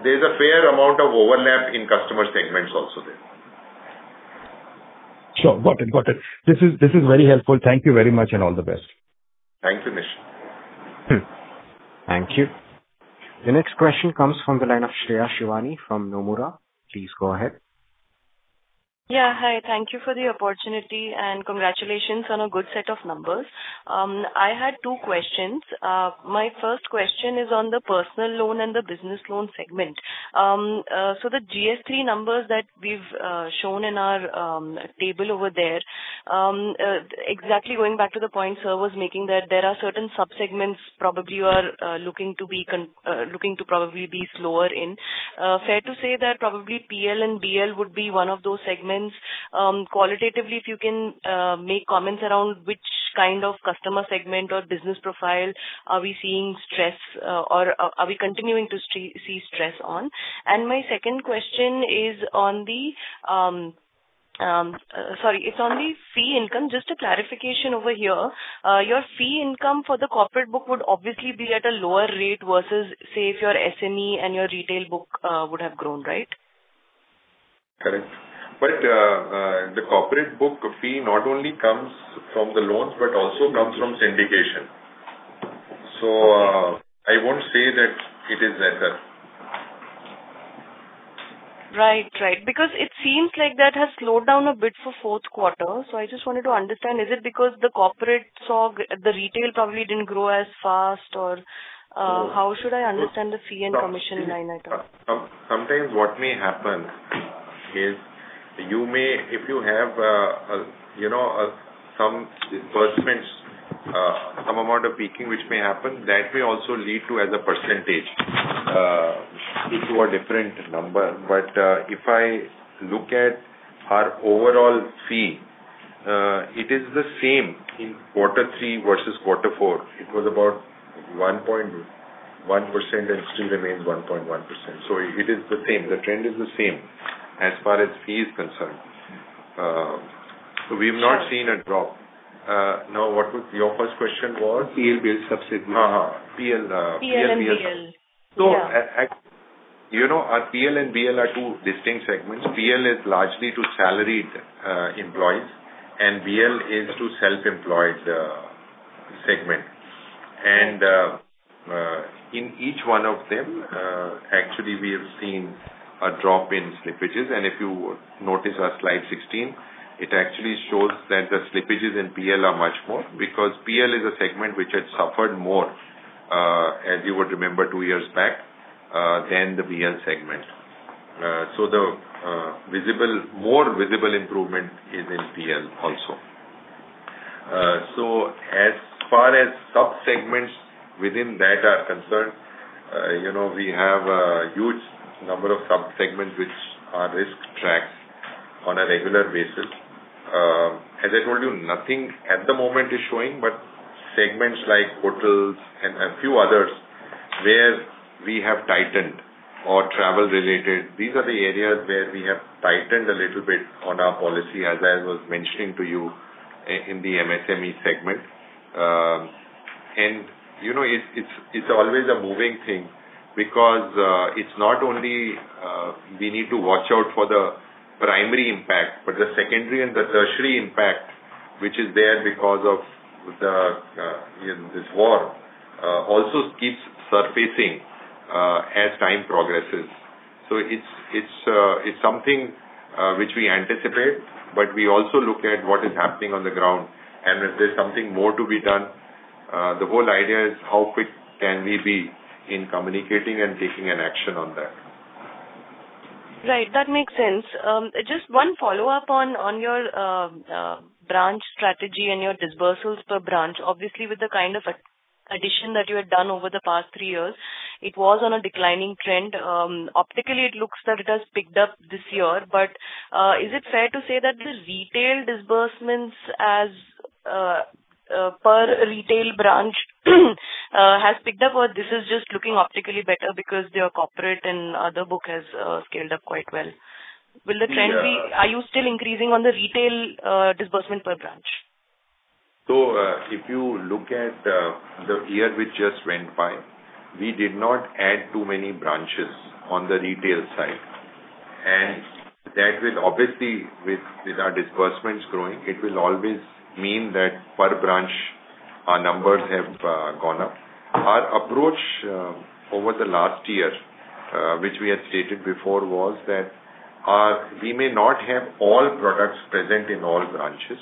There's a fair amount of overlap in customer segments also there. Sure. Got it. This is very helpful. Thank you very much, and all the best. Thanks, Nischint. Thank you. The next question comes from the line of Shreya Shivani from Nomura. Please go ahead. Yeah. Hi. Thank you for the opportunity, and congratulations on a good set of numbers. I had two questions. My first question is on the personal loan and the business loan segment. The GS3 numbers that we've shown in our table over there, exactly going back to the point sir was making, that there are certain subsegments probably you are looking to probably be slower in. Fair to say that probably PL and BL would be one of those segments. Qualitatively, if you can make comments around which kind of customer segment or business profile are we seeing stress or are we continuing to see stress on? My second question is on the fee income. Just a clarification over here. Your fee income for the corporate book would obviously be at a lower rate versus, say, if your SME and your retail book would have grown, right? Correct. The corporate book fee not only comes from the loans, but also comes from syndication. I won't say that it is lesser. Right. Because it seems like that has slowed down a bit for fourth quarter. I just wanted to understand, is it because the corporate side, the retail probably didn't grow as fast, or how should I understand the fee and commission line item? Sometimes what may happen. You may, if you have some disbursements, some amount of peaking which may happen, that may also lead to, as a percentage, into a different number. If I look at our overall fee, it is the same in quarter three versus quarter four. It was about 1.1% and still remains 1.1%. It is the same. The trend is the same as far as fee is concerned. We've not seen a drop. Now, what was your first question? PL, BL subsidy. PL, BL. PL and BL. Yeah. Actually, our PL and BL are two distinct segments. PL is largely to salaried employees, and BL is to self-employed segment. In each one of them, actually, we have seen a drop in slippages. If you notice our slide 16, it actually shows that the slippages in PL are much more, because PL is a segment which had suffered more, as you would remember, two years back, than the BL segment. The more visible improvement is in PL also. As far as sub-segments within that are concerned, we have a huge number of sub-segments which are risk tracked on a regular basis. As I told you, nothing at the moment is showing, but segments like hotels and a few others where we have tightened or travel related, these are the areas where we have tightened a little bit on our policy, as I was mentioning to you in the MSME segment. It's always a moving thing because it's not only we need to watch out for the primary impact, but the secondary and the tertiary impact, which is there because of this war, also keeps surfacing as time progresses. It's something which we anticipate, but we also look at what is happening on the ground and if there's something more to be done. The whole idea is how quick can we be in communicating and taking an action on that. Right. That makes sense. Just one follow-up on your branch strategy and your disbursements per branch. Obviously, with the kind of addition that you have done over the past three years, it was on a declining trend. Optically, it looks that it has picked up this year, but is it fair to say that the retail disbursements as per retail branch has picked up or this is just looking optically better because your corporate and other book has scaled up quite well? Are you still increasing on the retail disbursement per branch? If you look at the year which just went by, we did not add too many branches on the retail side, and that will obviously, with our disbursements growing, it will always mean that per branch our numbers have gone up. Our approach over the last year, which we had stated before, was that we may not have all products present in all branches.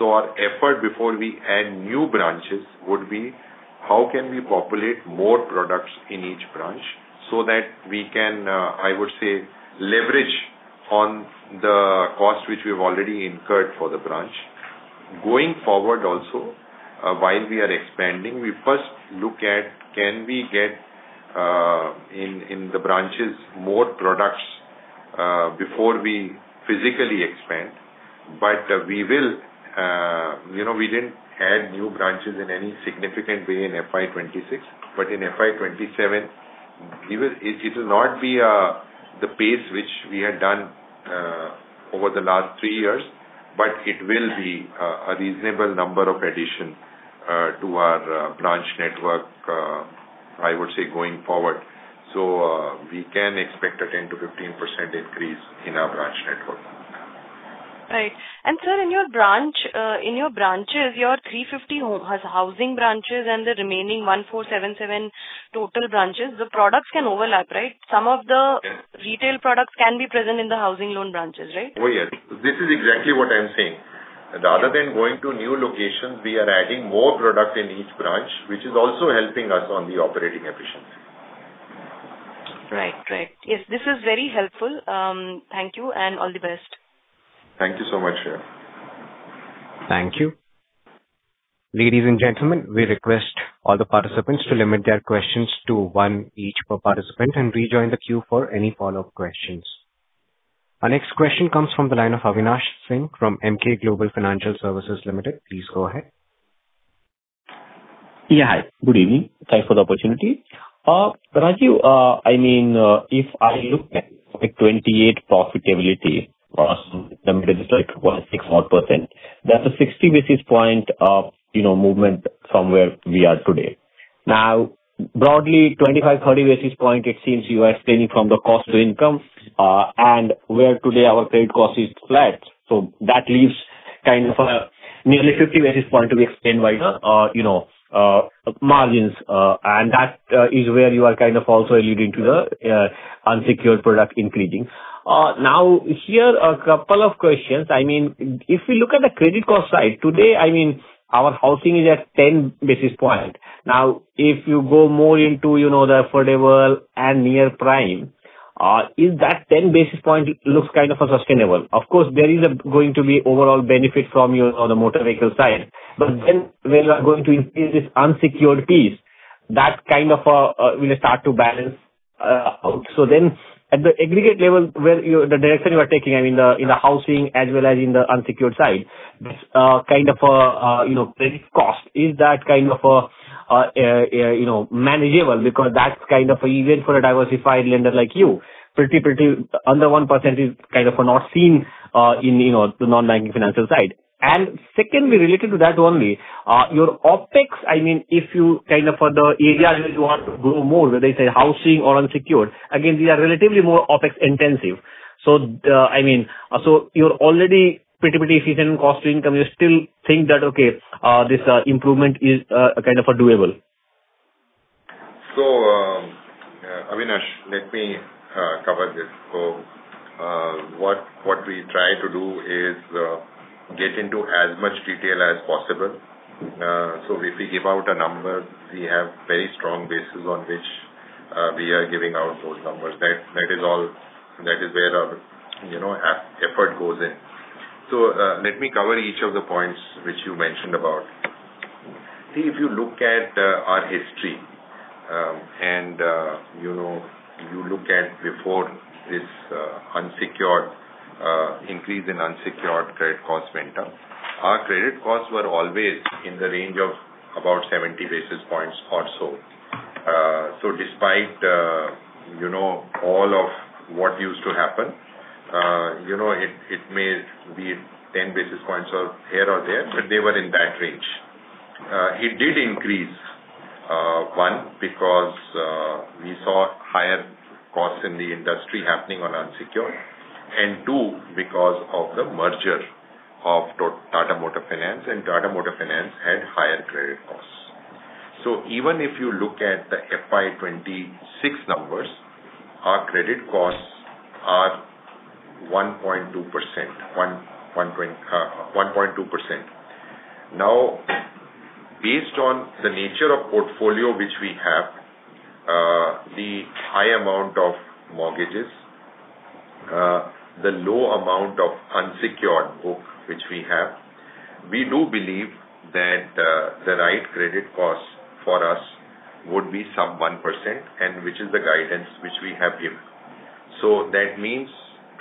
Our effort before we add new branches would be how can we populate more products in each branch so that we can, I would say, leverage on the cost which we've already incurred for the branch. Going forward also, while we are expanding, we first look at can we get in the branches more products before we physically expand. We didn't add new branches in any significant way in FY 2026, but in FY 2027, it will not be the pace which we had done over the last three years, but it will be a reasonable number of addition to our branch network, I would say, going forward. So we can expect a 10%-15% increase in our branch network. Right. Sir, in your branches, your 350 housing branches and the remaining 1,477 total branches, the products can overlap, right? Some of the... Yes Retail products can be present in the housing loan branches, right? Yes. This is exactly what I'm saying. Rather than going to new locations, we are adding more product in each branch, which is also helping us on the operating efficiency. Right. Yes. This is very helpful. Thank you, and all the best. Thank you so much. Thank you. Ladies and gentlemen, we request all the participants to limit their questions to one each per participant and rejoin the queue for any follow-up questions. Our next question comes from the line of Avinash Singh from Emkay Global Financial Services Limited. Please go ahead. Yeah, hi. Good evening. Thanks for the opportunity. Rajiv, if I look at FY 2028 profitability, let me just take 1.6% odd. That's a 60 basis point of movement from where we are today. Now, broadly, 25 basis points, 30 basis point it seems you are extending from the cost to income, and where today our paid cost is flat. That leaves kind of a nearly 50 basis point to be explained by the margins, and that is where you are kind of also alluding to the unsecured product increasing. Now, here are a couple of questions. If we look at the credit cost side, today our housing is at 10 basis point. Now, if you go more into the affordable and near prime. Is that 10 basis point looks kind of unsustainable. Of course, there is going to be overall benefit from you on the motor vehicle side, but then when you are going to increase this unsecured piece, that kind of will start to balance out. At the aggregate level, the direction you are taking in the housing as well as in the unsecured side, this kind of credit cost, is that kind of manageable because that's kind of even for a diversified lender like you, pretty under 1% is kind of not seen in the non-banking financial side. Secondly, related to that only, your OpEx, if you kind of for the area which you want to grow more, whether it's housing or unsecured, again, these are relatively more OpEx intensive. You're already pretty efficient in cost to income, you still think that, okay, this improvement is kind of doable. Avinash, let me cover this. What we try to do is, get into as much detail as possible. If we give out a number, we have very strong basis on which we are giving out those numbers. That is where our effort goes in. Let me cover each of the points which you mentioned about. See, if you look at our history, and you look at before this increase in unsecured credit cost went up, our credit costs were always in the range of about 70 basis points or so. Despite all of what used to happen, it may be 10 basis points off here or there, but they were in that range. It did increase, one, because we saw higher costs in the industry happening on unsecured, and two, because of the merger of Tata Motors Finance and Tata Motors Finance had higher credit costs. Even if you look at the FY 2026 numbers, our credit costs are 1.2%. Now, based on the nature of portfolio which we have, the high amount of mortgages, the low amount of unsecured book which we have, we do believe that the right credit cost for us would be sub 1% and which is the guidance which we have given. That means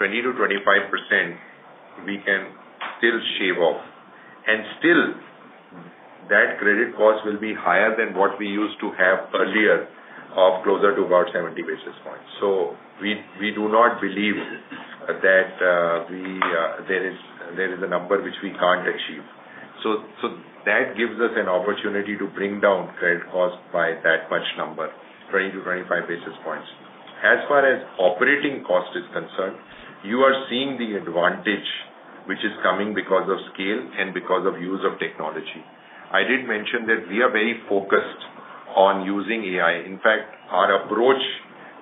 20%-25% we can still shave off, and still that credit cost will be higher than what we used to have earlier of closer to about 70 basis points. We do not believe that there is a number which we can't achieve. That gives us an opportunity to bring down credit cost by that much number, 20 basis points-25 basis points. As far as operating cost is concerned, you are seeing the advantage which is coming because of scale and because of use of technology. I did mention that we are very focused on using AI. In fact, our approach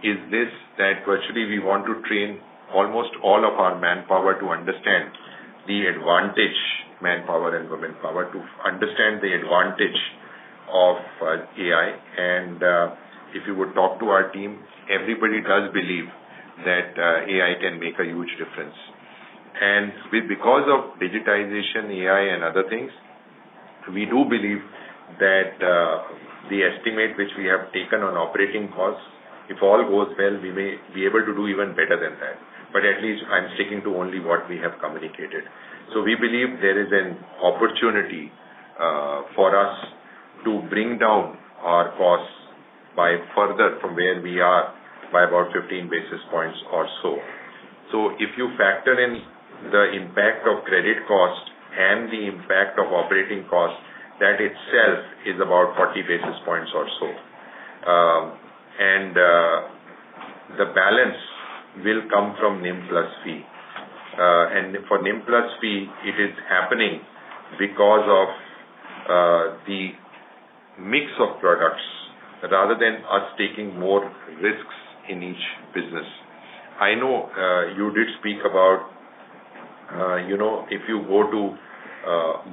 is this, that virtually we want to train almost all of our manpower to understand the advantage, manpower and womanpower, to understand the advantage of AI. If you would talk to our team, everybody does believe that AI can make a huge difference. Because of digitization, AI, and other things, we do believe that the estimate which we have taken on operating costs, if all goes well, we may be able to do even better than that. At least I'm sticking to only what we have communicated. We believe there is an opportunity for us to bring down our costs by further from where we are by about 15 basis points or so. If you factor in the impact of credit cost and the impact of operating cost, that itself is about 40 basis points or so. The balance will come from NIM plus fee. For NIM plus fee, it is happening because of the mix of products rather than us taking more risks in each business. I know you did speak about if you go to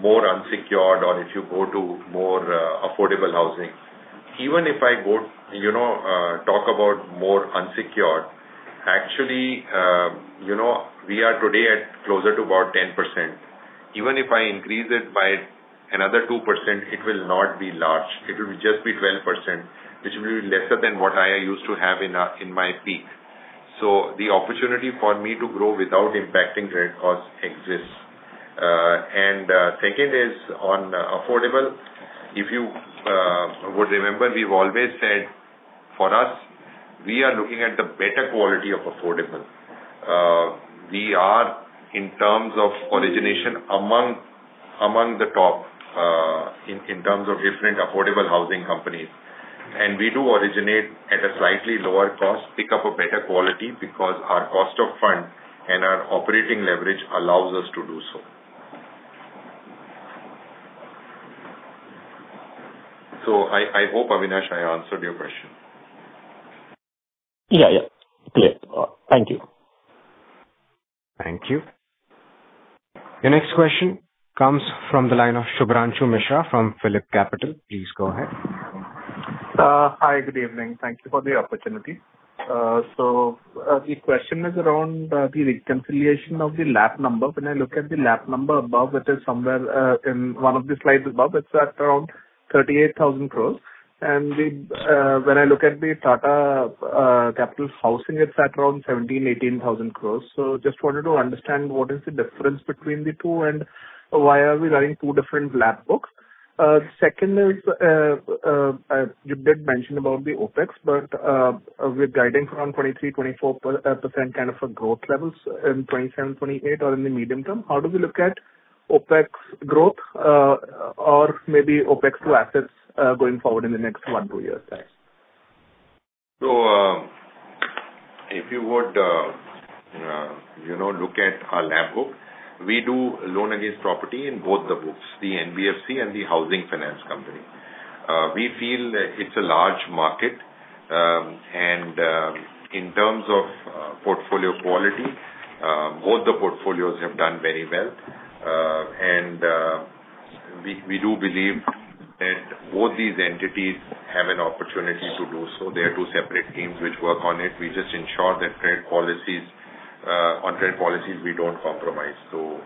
more unsecured or if you go to more affordable housing. Even if I talk about more unsecured, actually, we are today at closer to about 10%. Even if I increase it by another 2%, it will not be large. It will just be 12%, which will be lesser than what I used to have in my peak. The opportunity for me to grow without impacting credit cost exists. Second is on affordable. If you would remember, we've always said, for us, we are looking at the better quality of affordable. We are, in terms of origination, among the top in terms of different affordable housing companies. And we do originate at a slightly lower cost, pick up a better quality because our cost of fund and our operating leverage allows us to do so. I hope, Avinash, I answered your question. Yeah. Clear. Thank you. Thank you. Your next question comes from the line of Shubhranshu Mishra from PhillipCapital. Please go ahead. Hi. Good evening. Thank you for the opportunity. The question is around the reconciliation of the LAP number. When I look at the LAP number above, it is somewhere in one of the slides above, it's at around 38,000 crore. When I look at the Tata Capital Housing, it's at around 17,000 crore-18,000 crore. Just wanted to understand what is the difference between the two and why are we running two different LAP books? Second is, you did mention about the OpEx, but with guidance around 23%-24% kind of a growth levels in 2027, 2028 or in the medium term, how do we look at OpEx growth or maybe OpEx to assets going forward in the next one, two years? Thanks. If you would look at our LAP book, we do loan against property in both the books, the NBFC and the housing finance company. We feel it's a large market, and in terms of portfolio quality, both the portfolios have done very well. We do believe that both these entities have an opportunity to do so. They are two separate teams which work on it. We just ensure that on credit policies, we don't compromise.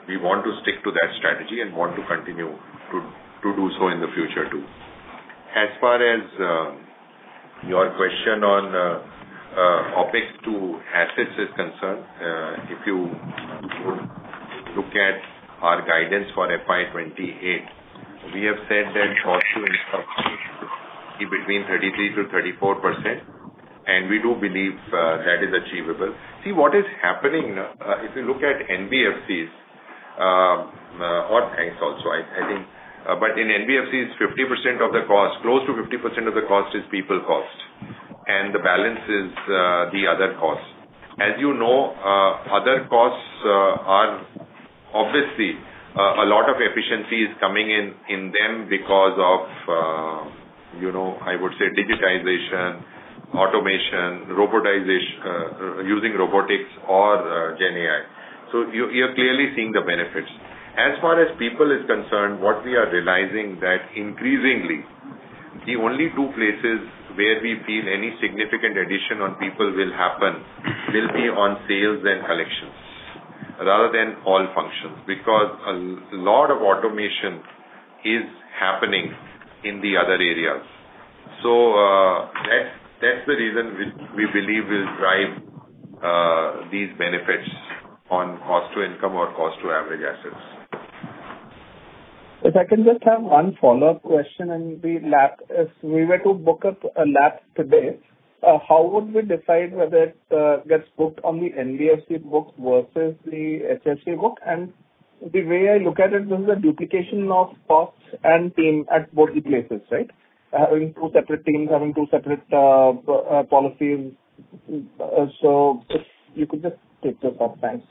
We want to stick to that strategy and want to continue to do so in the future too. As far as your question on OpEx to assets is concerned, if you look at our guidance for FY 2028, we have said that cost to income should be between 33%-34%, and we do believe that is achievable. See what is happening, if you look at NBFCs, both banks also, I think. In NBFC, close to 50% of the cost is people cost, and the balance is the other costs. As you know, other costs are obviously, a lot of efficiency is coming in them because of, I would say digitization, automation, using robotics or GenAI. You're clearly seeing the benefits. As far as people is concerned, what we are realizing that increasingly, the only two places where we feel any significant addition on people will happen will be on sales and collections rather than all functions, because a lot of automation is happening in the other areas. That's the reason which we believe will drive these benefits on cost to income or cost to average assets. If I can just have one follow-up question in the LAP. If we were to book up a LAP today, how would we decide whether it gets booked on the NBFC book versus the HFC book? The way I look at it is the duplication of costs and team at both the places, right, having two separate teams, having two separate policies. If you could just take this up. Thanks.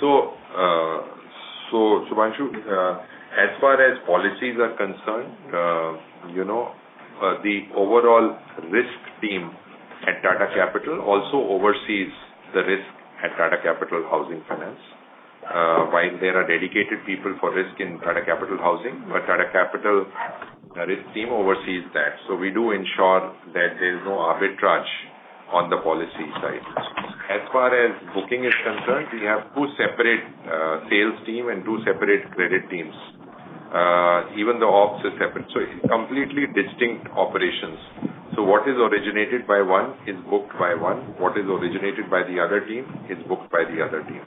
Shubhranshu, as far as policies are concerned, the overall risk team at Tata Capital also oversees the risk at Tata Capital Housing Finance. While there are dedicated people for risk in Tata Capital Housing, but Tata Capital risk team oversees that. We do ensure that there's no arbitrage on the policy side. As far as booking is concerned, we have two separate sales team and two separate credit teams, even the ops is separate, so it's completely distinct operations. What is originated by one is booked by one. What is originated by the other team is booked by the other team.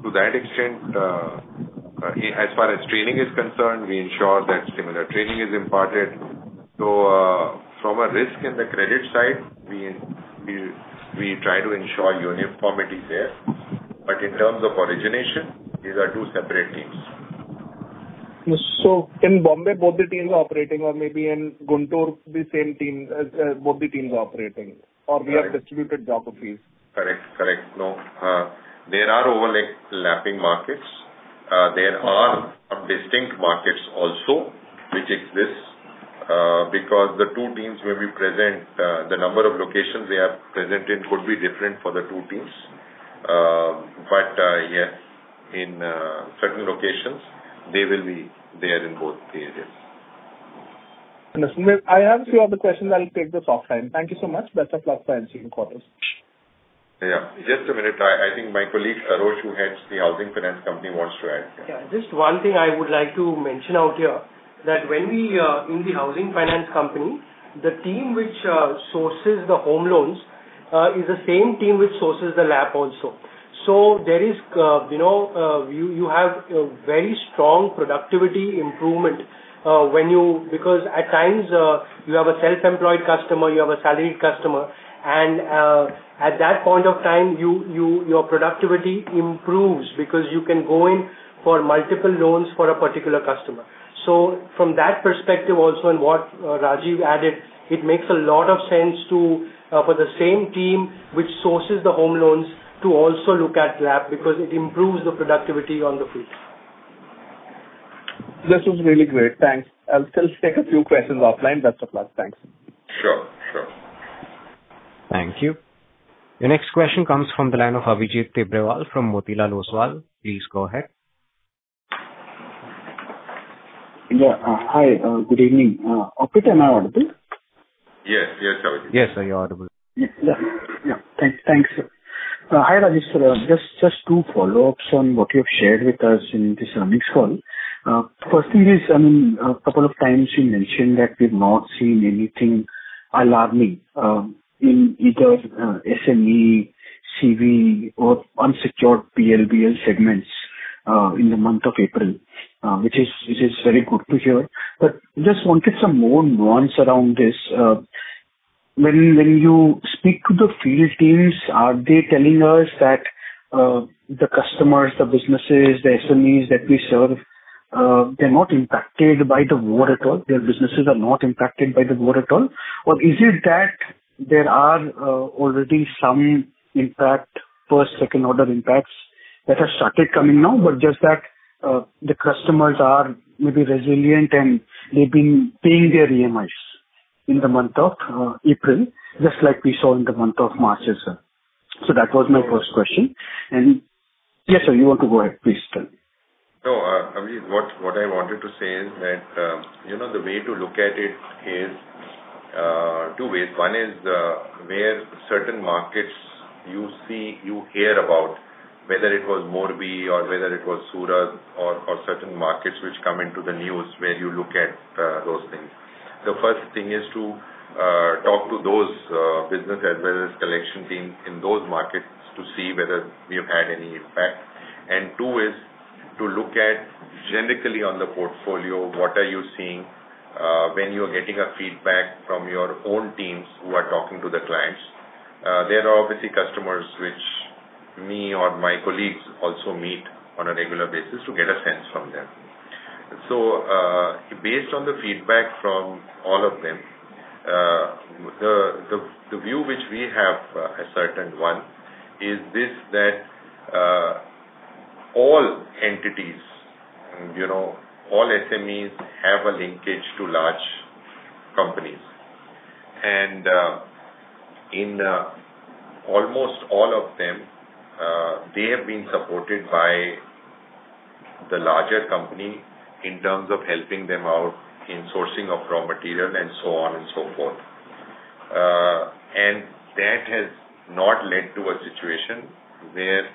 To that extent, as far as training is concerned, we ensure that similar training is imparted. From a risk in the credit side, we try to ensure uniformity there. In terms of origination, these are two separate teams. In Bombay, both the teams are operating or maybe in Guntur, both the teams are operating or we have distributed geographies. Correct. No. There are overlapping markets. There are distinct markets also, which exist because the two teams may be present, the number of locations they are present in could be different for the two teams. Yes, in certain locations, they will be there in both the areas. Understood. I have few other questions. I'll take this offline. Thank you so much. Best of luck for the earnings quarters. Yeah. Just a minute. I think my colleague Sarosh, who heads the Housing Finance company, wants to add. Yeah. Just one thing I would like to mention out here, that when we are in the Housing Finance company, the team which sources the home loans is the same team which sources the LAP also. There is, you have a very strong productivity improvement because at times, you have a self-employed customer, you have a salaried customer, and at that point of time, your productivity improves because you can go in for multiple loans for a particular customer. From that perspective also and what Rajiv added, it makes a lot of sense for the same team which sources the home loans to also look at LAP because it improves the productivity on the field. This was really great. Thanks. I'll still take a few questions offline. Best of luck. Thanks. Sure. Thank you. The next question comes from the line of Abhijit Tibrewal from Motilal Oswal. Please go ahead. Yeah. Hi, good evening. Operator am I me audible? Yes, Abhijit. Yes, sir, you're audible. Yeah. Thanks. Hi, Rajiv Sabharwal. Just two follow-ups on what you have shared with us in this earnings call. First thing is, a couple of times you mentioned that we've not seen anything alarming in either SME, CV or unsecured PLBL segments in the month of April, which is very good to hear. Just wanted some more nuance around this. When you speak to the field teams, are they telling us that the customers, the businesses, the SMEs that we serve, they're not impacted by the war at all? Their businesses are not impacted by the war at all? Or is it that there are already some first, second order impacts that have started coming now, but just that the customers are maybe resilient and they've been paying their EMIs in the month of April, just like we saw in the month of March as well? That was my first question. Yes, sir, you want to go ahead, please tell. No, Abhijit, what I wanted to say is that the way to look at it is two ways. One is where certain markets you hear about, whether it was Morbi or whether it was Surat or certain markets which come into the news where you look at those things. The first thing is to talk to those business as well as collection teams in those markets to see whether we have had any impact. Two is to look at generally on the portfolio, what are you seeing, when you are getting a feedback from your own teams who are talking to the clients. There are obviously customers which me or my colleagues also meet on a regular basis to get a sense from them. Based on the feedback from all of them, the view which we have ascertained, one, is this that all entities, all SMEs have a linkage to large companies. In almost all of them, they have been supported by the larger company in terms of helping them out in sourcing of raw material and so on and so forth. That has not led to a situation where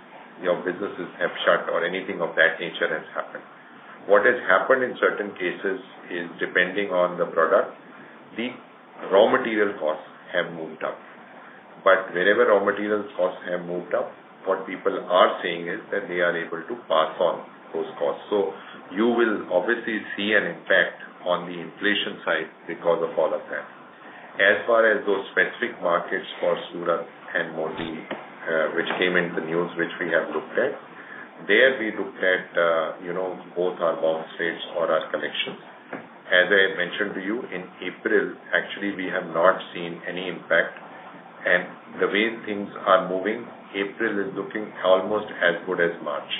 businesses have shut or anything of that nature has happened. What has happened in certain cases is, depending on the product, the raw material costs have moved up. Wherever raw material costs have moved up, what people are saying is that they are able to pass on those costs. You will obviously see an impact on the inflation side because of all of that. As far as those specific markets for Surat and Morbi, which came in the news, which we have looked at, there we looked at both our loan stage or our collections. As I had mentioned to you, in April, actually, we have not seen any impact. The way things are moving, April is looking almost as good as March.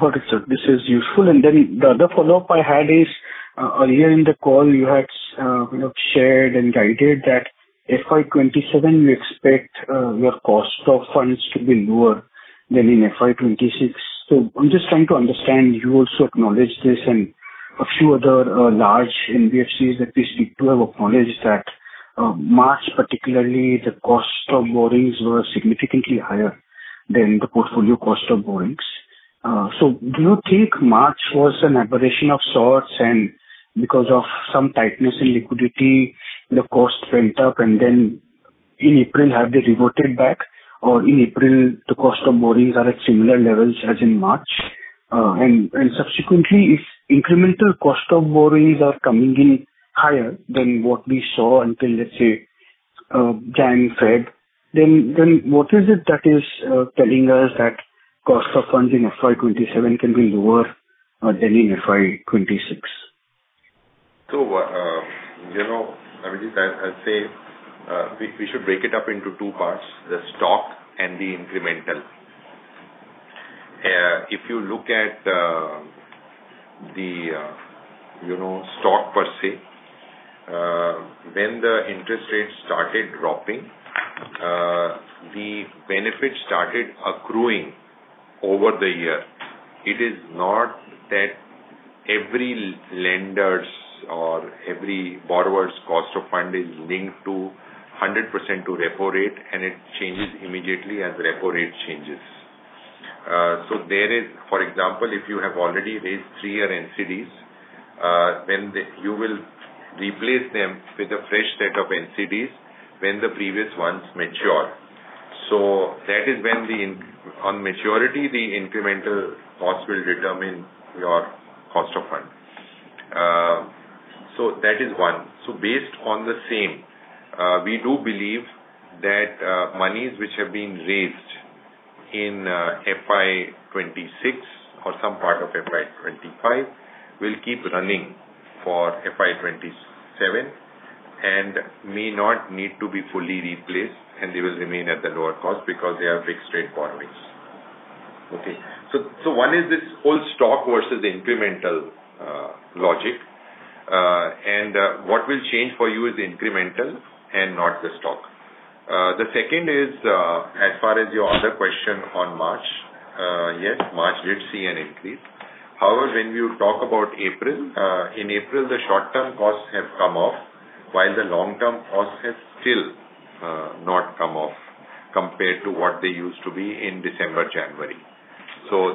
Got it, sir. This is useful, and then the other follow-up I had is, earlier in the call you had shared and guided that FY 2027 you expect your cost of funds to be lower than in FY 2026. I'm just trying to understand, you also acknowledged this and a few other large NBFCs that we speak to have acknowledged that March, particularly, the cost of borrowings were significantly higher than the portfolio cost of borrowings. Do you think March was an aberration of sorts and because of some tightness in liquidity, the cost went up and then in April have they reverted back? Or in April, the cost of borrowings are at similar levels as in March? Subsequently, if incremental cost of borrowings are coming in higher than what we saw until, let's say, January, February, then what is it that is telling us that cost of funds in FY 2027 can be lower than in FY 2026? Abhijit, I'll say, we should break it up into two parts, the stock and the incremental. If you look at the stock per se, when the interest rates started dropping, the benefit started accruing over the year. It is not that every lender's or every borrower's cost of fund is linked to 100% to repo rate, and it changes immediately as the repo rate changes. There is, for example, if you have already raised three-year NCDs, then you will replace them with a fresh set of NCDs when the previous ones mature. That is when on maturity, the incremental cost will determine your cost of fund. That is one. Based on the same, we do believe that monies which have been raised in FY 2026 or some part of FY 2025 will keep running for FY 2027 and may not need to be fully replaced, and they will remain at the lower cost because they have fixed rate borrowings. Okay. One is this whole stock versus incremental logic, and what will change for you is the incremental and not the stock. The second is, as far as your other question on March. Yes, March will see an increase. However, when you talk about April, in April, the short-term costs have come off while the long-term costs have still not come off compared to what they used to be in December, January.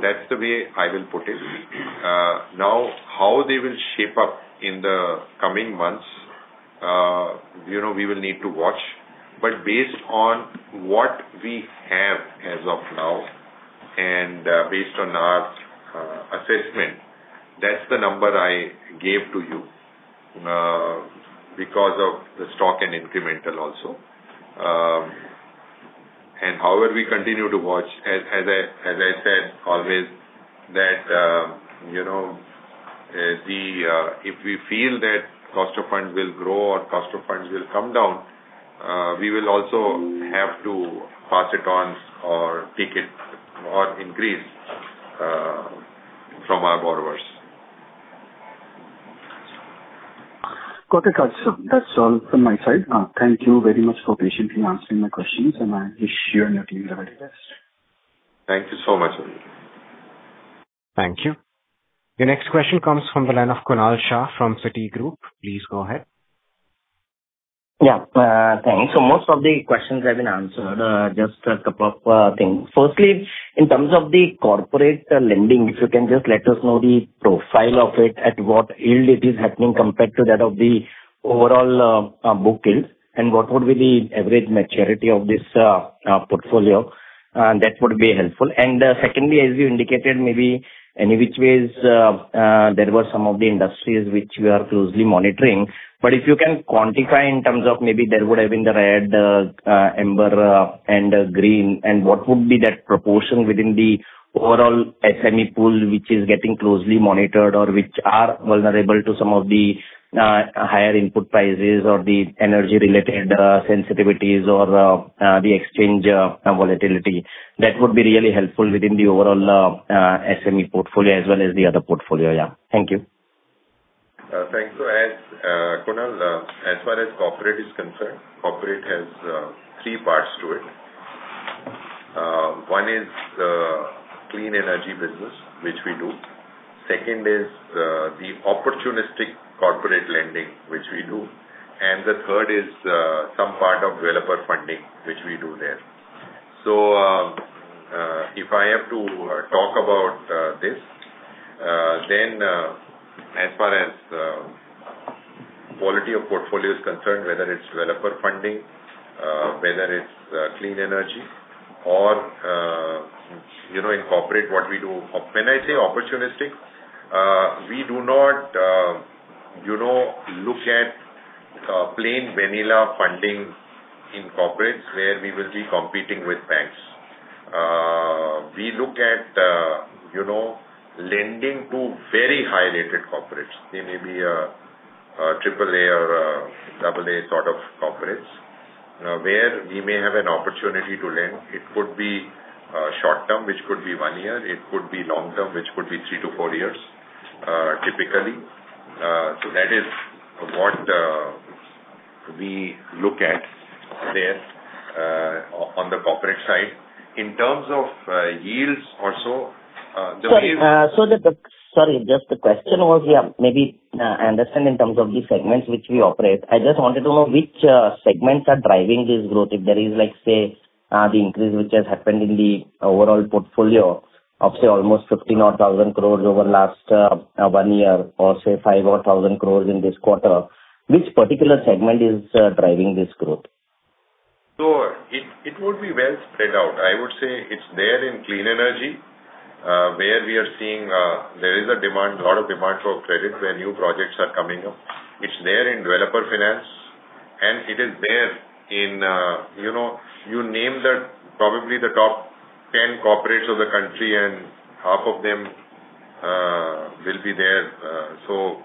That's the way I will put it. Now, how they will shape up in the coming months, we will need to watch. Based on what we have as of now and based on our assessment, that's the number I gave to you because of the stock and incremental also. However we continue to watch, as I said, always that if we feel that cost of funds will grow or cost of funds will come down, we will also have to pass it on or take it or increase from our borrowers. Got it. That's all from my side. Thank you very much for patiently answering my questions, and I wish you and your team the very best. Thank you so much. Thank you. Your next question comes from the line of Kunal Shah from Citigroup. Please go ahead. Yeah. Thanks. Most of the questions have been answered. Just a couple of things. Firstly, in terms of the corporate lending, if you can just let us know the profile of it, at what yield it is happening compared to that of the overall book yield, and what would be the average maturity of this portfolio? That would be helpful. Secondly, as you indicated, maybe any which ways, there were some of the industries which we are closely monitoring. If you can quantify in terms of maybe that would have been the red, amber, and green, and what would be that proportion within the overall SME pool, which is getting closely monitored or which are vulnerable to some of the higher input prices or the energy-related sensitivities or the exchange volatility. That would be really helpful within the overall SME portfolio as well as the other portfolio. Yeah. Thank you. Thanks. Kunal, as far as corporate is concerned, corporate has three parts to it. One is the clean energy business, which we do. Second is the opportunistic corporate lending, which we do. And the third is some part of developer funding, which we do there. If I have to talk about this, then as far as quality of portfolio is concerned, whether it's developer funding, whether it's clean energy or in corporate, what we do. When I say opportunistic, we do not look at plain vanilla funding in corporates where we will be competing with banks. We look at lending to very high-rated corporates. They may be AAA or AA sort of corporates, where we may have an opportunity to lend. It could be short-term, which could be 1 year. It could be long-term, which could be 3 years-4years, typically. That is what we look at there on the corporate side. In terms of yields also. Sorry. Just the question was, yeah, maybe I understand in terms of the segments which we operate. I just wanted to know which segments are driving this growth. If there is, let's say, the increase which has happened in the overall portfolio of, say, almost 15,000 crore over last one year or, say, 5,000 crore in this quarter, which particular segment is driving this growth? It would be well spread out. I would say it's there in clean energy, where we are seeing there is a lot of demand for credit where new projects are coming up. It's there in developer finance, and it is there in, you name probably the top 10 corporates of the country and half of them will be there.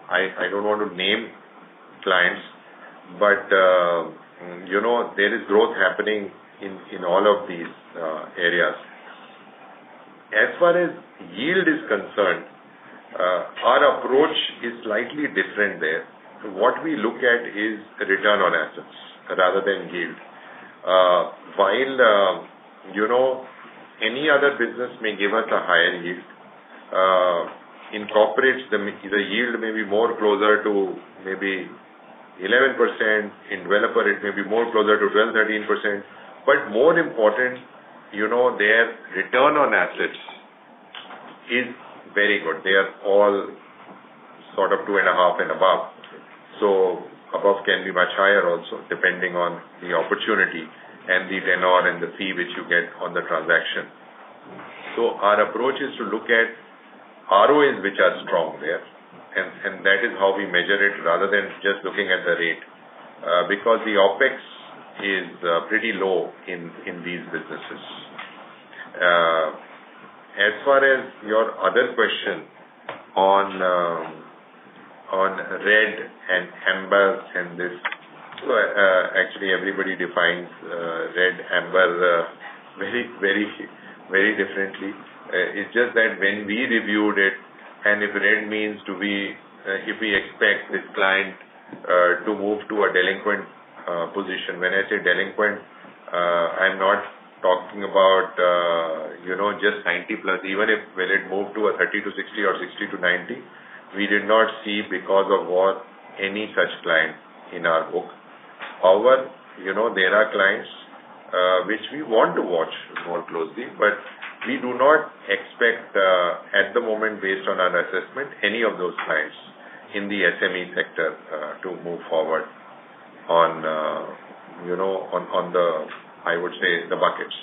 I don't want to name clients, but there is growth happening in all of these areas. As far as yield is concerned, our approach is slightly different there. What we look at is return on assets rather than yield. While any other business may give us a higher yield, in corporates, the yield may be more closer to maybe 11%. In developer, it may be more closer to 12%-13%. More important, their return on assets is very good. They are all sort of 2.5% and above. Above can be much higher also, depending on the opportunity and the tenor and the fee which you get on the transaction. Our approach is to look at ROEs which are strong there, and that is how we measure it rather than just looking at the rate, because the OpEx is pretty low in these businesses. As far as your other question on red and amber and this, actually everybody defines red, amber very differently. It's just that when we reviewed it, and if red means if we expect this client to move to a delinquent position. When I say delinquent, I'm not talking about just 90+, even when it moved to a 30 days-60 days or 60 days-90 days, we did not see because of what any such client in our book. However, there are clients which we want to watch more closely, but we do not expect, at the moment based on our assessment, any of those clients in the SME sector to move forward on the, I would say, the buckets.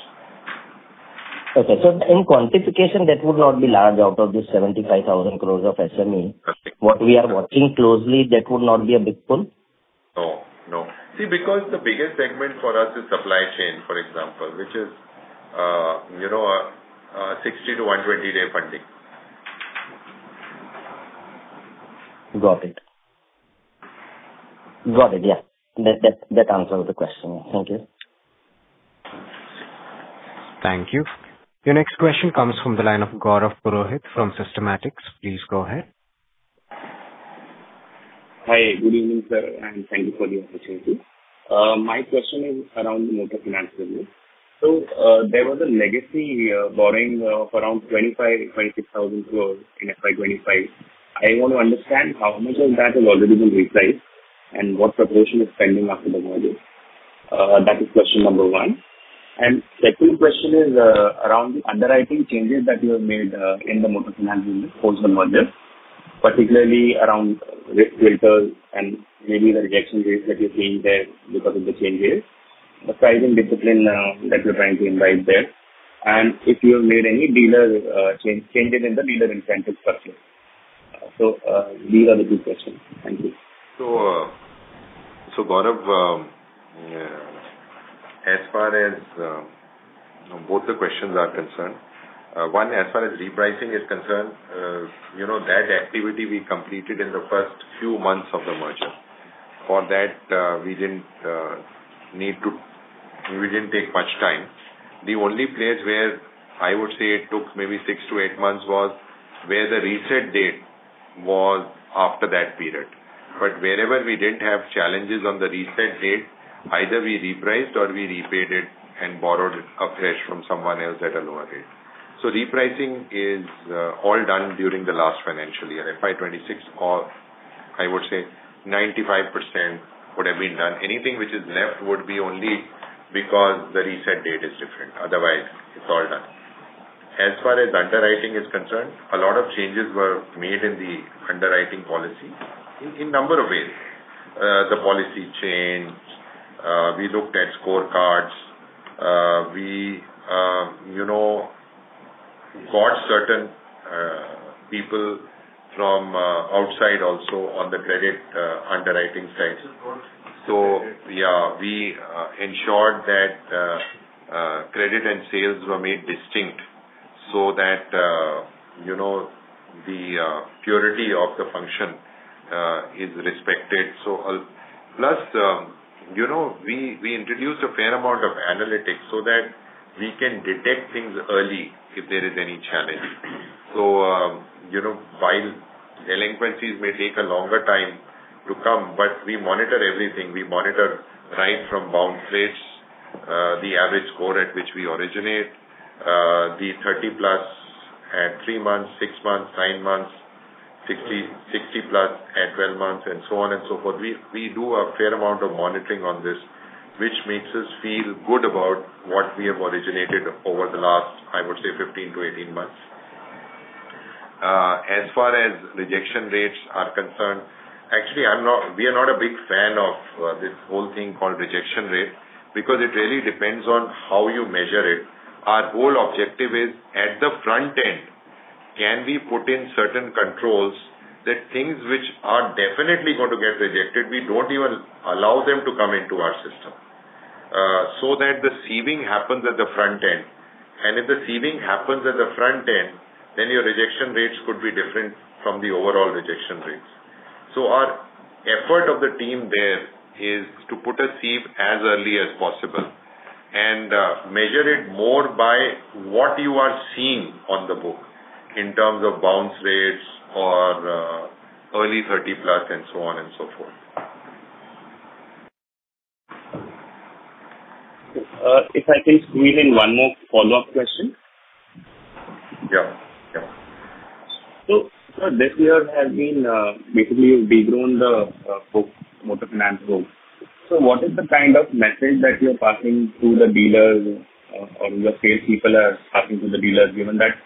Okay. In quantification, that would not be large out of the 75,000 crores of SME. That's it. What we are watching closely, that would not be a big pool? No. See, because the biggest segment for us is supply chain, for example, which is 60-120 day funding. Got it. Got it, yeah. That answers the question. Thank you. Thank you. Your next question comes from the line of Gaurav Purohit from Systematix. Please go ahead. Hi. Good evening, sir, and thank you for the opportunity. My question is around the motor finance review. There was a legacy borrowing of around 25,000 crore-26,000 crore in FY 2025. I want to understand how much of that has already been repriced, and what proportion is pending after the merger. That is question number one. The second question is around the underwriting changes that you have made in the motor finance business post-merger, particularly around risk filters and maybe the rejection rates that you're seeing there because of the changes, the pricing discipline that you're trying to invite there. If you have made any changes in the dealer incentive structure. These are the two questions. Thank you. Gaurav, as far as both the questions are concerned, one, as far as repricing is concerned, that activity we completed in the first few months of the merger. For that, we didn't take much time. The only place where I would say it took maybe 6-8months was where the reset date was after that period. Wherever we didn't have challenges on the reset date, either we repriced or we repaid it and borrowed afresh from someone else at a lower rate. Repricing is all done during the last financial year, FY 2026, or I would say 95% would have been done. Anything which is left would be only because the reset date is different. Otherwise, it's all done. As far as underwriting is concerned, a lot of changes were made in the underwriting policy in number of ways. The policy changed. We looked at scorecards. We got certain people from outside also on the credit underwriting side. We ensured that credit and sales were made distinct so that the purity of the function is respected. Plus, we introduced a fair amount of analytics so that we can detect things early if there is any challenge. While delinquencies may take a longer time to come, but we monitor everything. We monitor right from bounce rates, the average score at which we originate, the 30+ at 3 months, 6 months, 9 months, 60+ at 12 months, and so on and so forth. We do a fair amount of monitoring on this, which makes us feel good about what we have originated over the last, I would say, 15 months-18 months. As far as rejection rates are concerned, actually, we are not a big fan of this whole thing called rejection rate because it really depends on how you measure it. Our whole objective is at the front end, can we put in certain controls that things which are definitely going to get rejected, we don't even allow them to come into our system, that the sieving happens at the front end, and if the sieving happens at the front end, then your rejection rates could be different from the overall rejection rates. Our effort of the team there is to put a sieve as early as possible and measure it more by what you are seeing on the book in terms of bounce rates or early 30+ and so on and so forth. If I can squeeze in one more follow-up question. Yeah. This year has been, basically you've degrown the book, motor finance book. What is the kind of message that you're passing to the dealers or your sales people are passing to the dealers, given that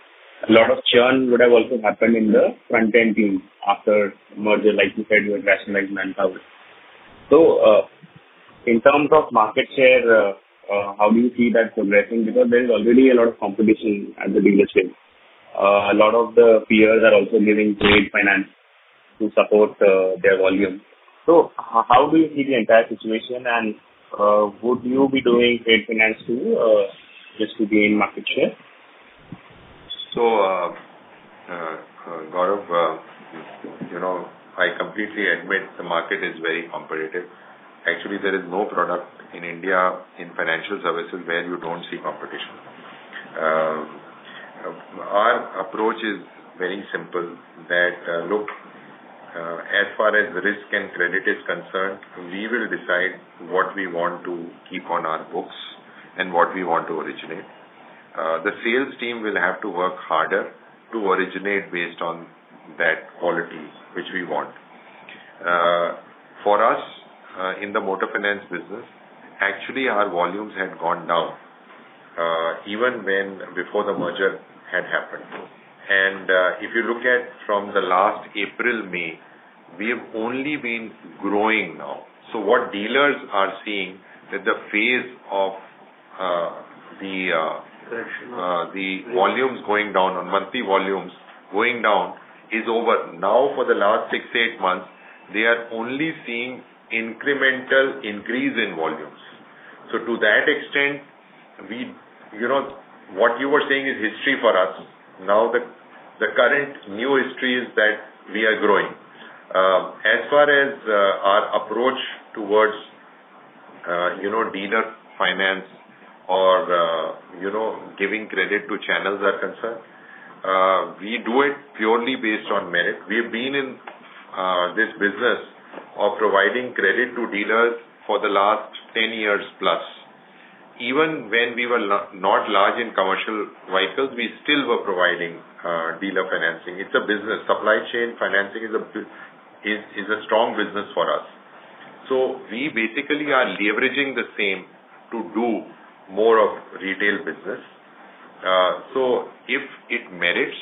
a lot of churn would have also happened in the front-end team after merger, like you said, you had rationalized manpower. In terms of market share, how do you see that progressing? Because there is already a lot of competition at the dealership. A lot of the peers are also giving trade finance to support their volume. How do you see the entire situation, and would you be doing trade finance too just to gain market share? Gaurav, I completely admit the market is very competitive. Actually, there is no product in India in financial services where you don't see competition. Our approach is very simple, that look, as far as risk and credit is concerned, we will decide what we want to keep on our books and what we want to originate. The sales team will have to work harder to originate based on that quality which we want. For us, in the motor finance business, actually, our volumes had gone down even before the merger had happened. If you look at from the last April, May, we have only been growing now. What dealers are seeing is that the phase of the Correction. The phase of volumes going down on a monthly basis is over. Now, for the last 6-8 months, they are only seeing incremental increase in volumes. To that extent, what you were saying is history for us. Now the current new history is that we are growing. As far as our approach towards dealer finance or giving credit to channels are concerned, we do it purely based on merit. We've been in this business of providing credit to dealers for the last 10+ years. Even when we were not large in commercial vehicles, we still were providing dealer financing. It's a business. Supply chain financing is a strong business for us. We basically are leveraging the same to do more of retail business. If it merits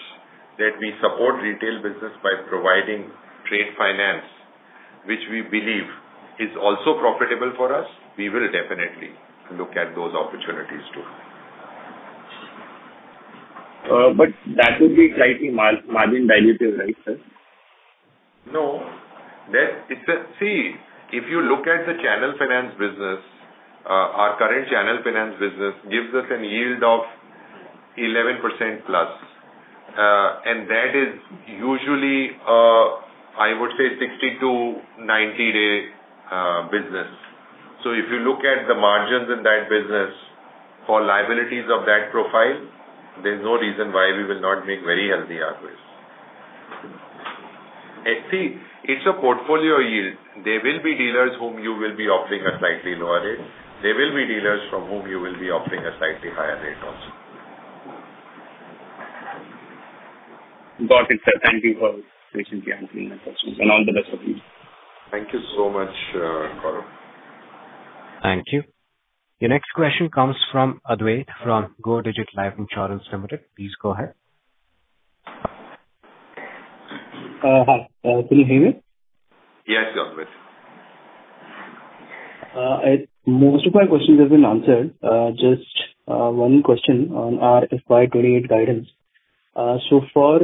that we support retail business by providing trade finance, which we believe is also profitable for us, we will definitely look at those opportunities too. That would be slightly margin dilutive, right, sir? No. See, if you look at the channel finance business, our current channel finance business gives us a yield of 11%+. That is usually, I would say, 60 days-90 days business. If you look at the margins in that business for liabilities of that profile, there's no reason why we will not make very healthy ROAs. See, it's a portfolio yield. There will be dealers whom you will be offering a slightly lower rate. There will be dealers for whom you will be offering a slightly higher rate also. Got it, sir. Thank you for patiently answering my questions, and all the best for you. Thank you so much, Gaurav. Thank you. Your next question comes from Adwait from Go Digit Life Insurance Limited. Please go ahead. Hi. Can you hear me? Yes, Adwait. Most of my questions have been answered. Just one question on our FY 2028 guidance. For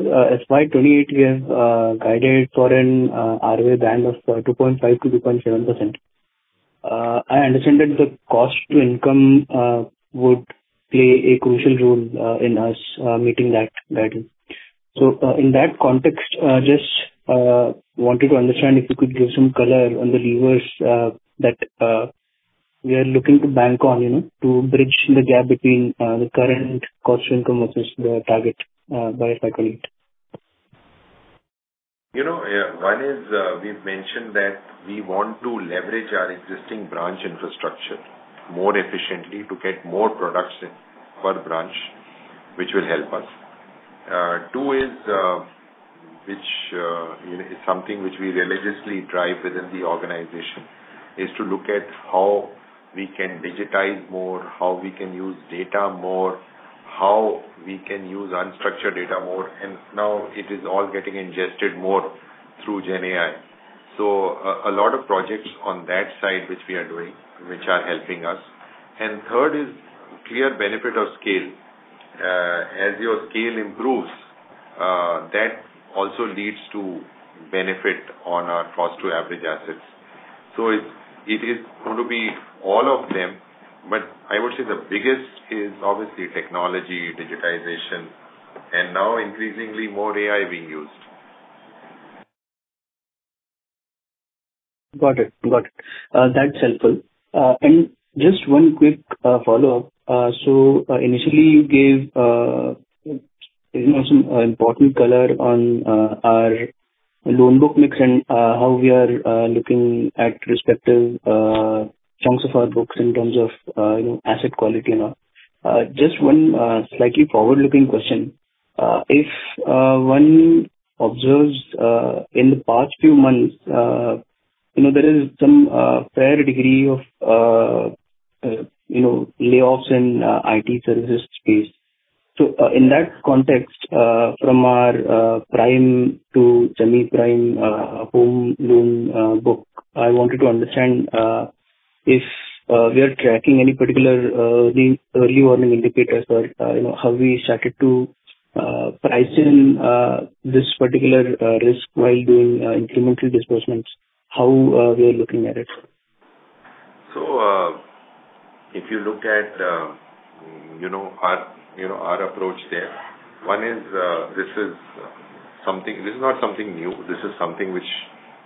FY 2028, we have guided for an ROA band of 2.5%-2.7%. I understand that the cost to income would play a crucial role in us meeting that guidance. In that context, just wanted to understand if you could give some color on the levers that we are looking to bank on to bridge the gap between the current cost to income versus the target by FY 2028. One is, we've mentioned that we want to leverage our existing branch infrastructure more efficiently to get more production per branch, which will help us. Two is, which is something which we religiously drive within the organization, is to look at how we can digitize more, how we can use data more, how we can use unstructured data more, and now it is all getting ingested more through GenAI. A lot of projects on that side which we are doing, which are helping us. Third is clear benefit of scale. As your scale improves, that also leads to benefit on our cost to average assets. It is going to be all of them, but I would say the biggest is obviously technology, digitization, and now increasingly more AI being used. Got it. That's helpful. Just one quick follow-up. Initially you gave some important color on our loan book mix and how we are looking at respective chunks of our books in terms of asset quality and all. Just one slightly forward-looking question. If one observes in the past few months, there is some fair degree of layoffs in IT services space. In that context, from our prime to semi-prime home loan book, I wanted to understand if we are tracking any particular early warning indicators or how we started to price in this particular risk while doing incremental disbursements, how we are looking at it. If you look at our approach there. One is, this is not something new. This is something which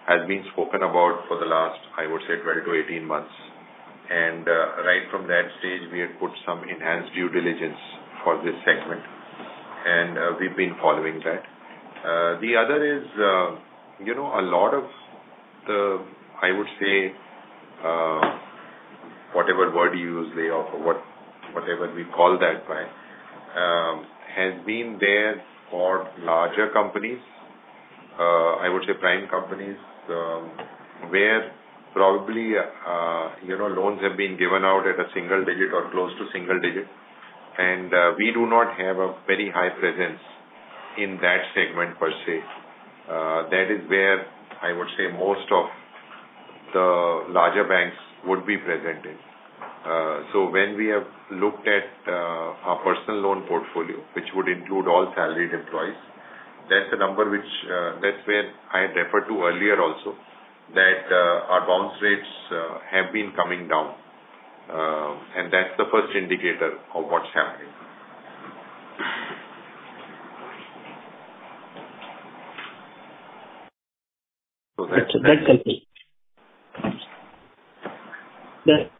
has been spoken about for the last, I would say, 12 months-18 months. Right from that stage, we had put some enhanced due diligence for this segment, and we've been following that. The other is, a lot of the, I would say, whatever word you use, LGD, whatever we call that by, has been there for larger companies, I would say, prime companies, where probably, loans have been given out at a single digit or close to single digit. We do not have a very high presence in that segment per se. That is where I would say, most of the larger banks would be present in. When we have looked at our personal loan portfolio, which would include all salaried employees, that's the number which, that's where I had referred to earlier also, that our bounce rates have been coming down. That's the first indicator of what's happening. That's complete.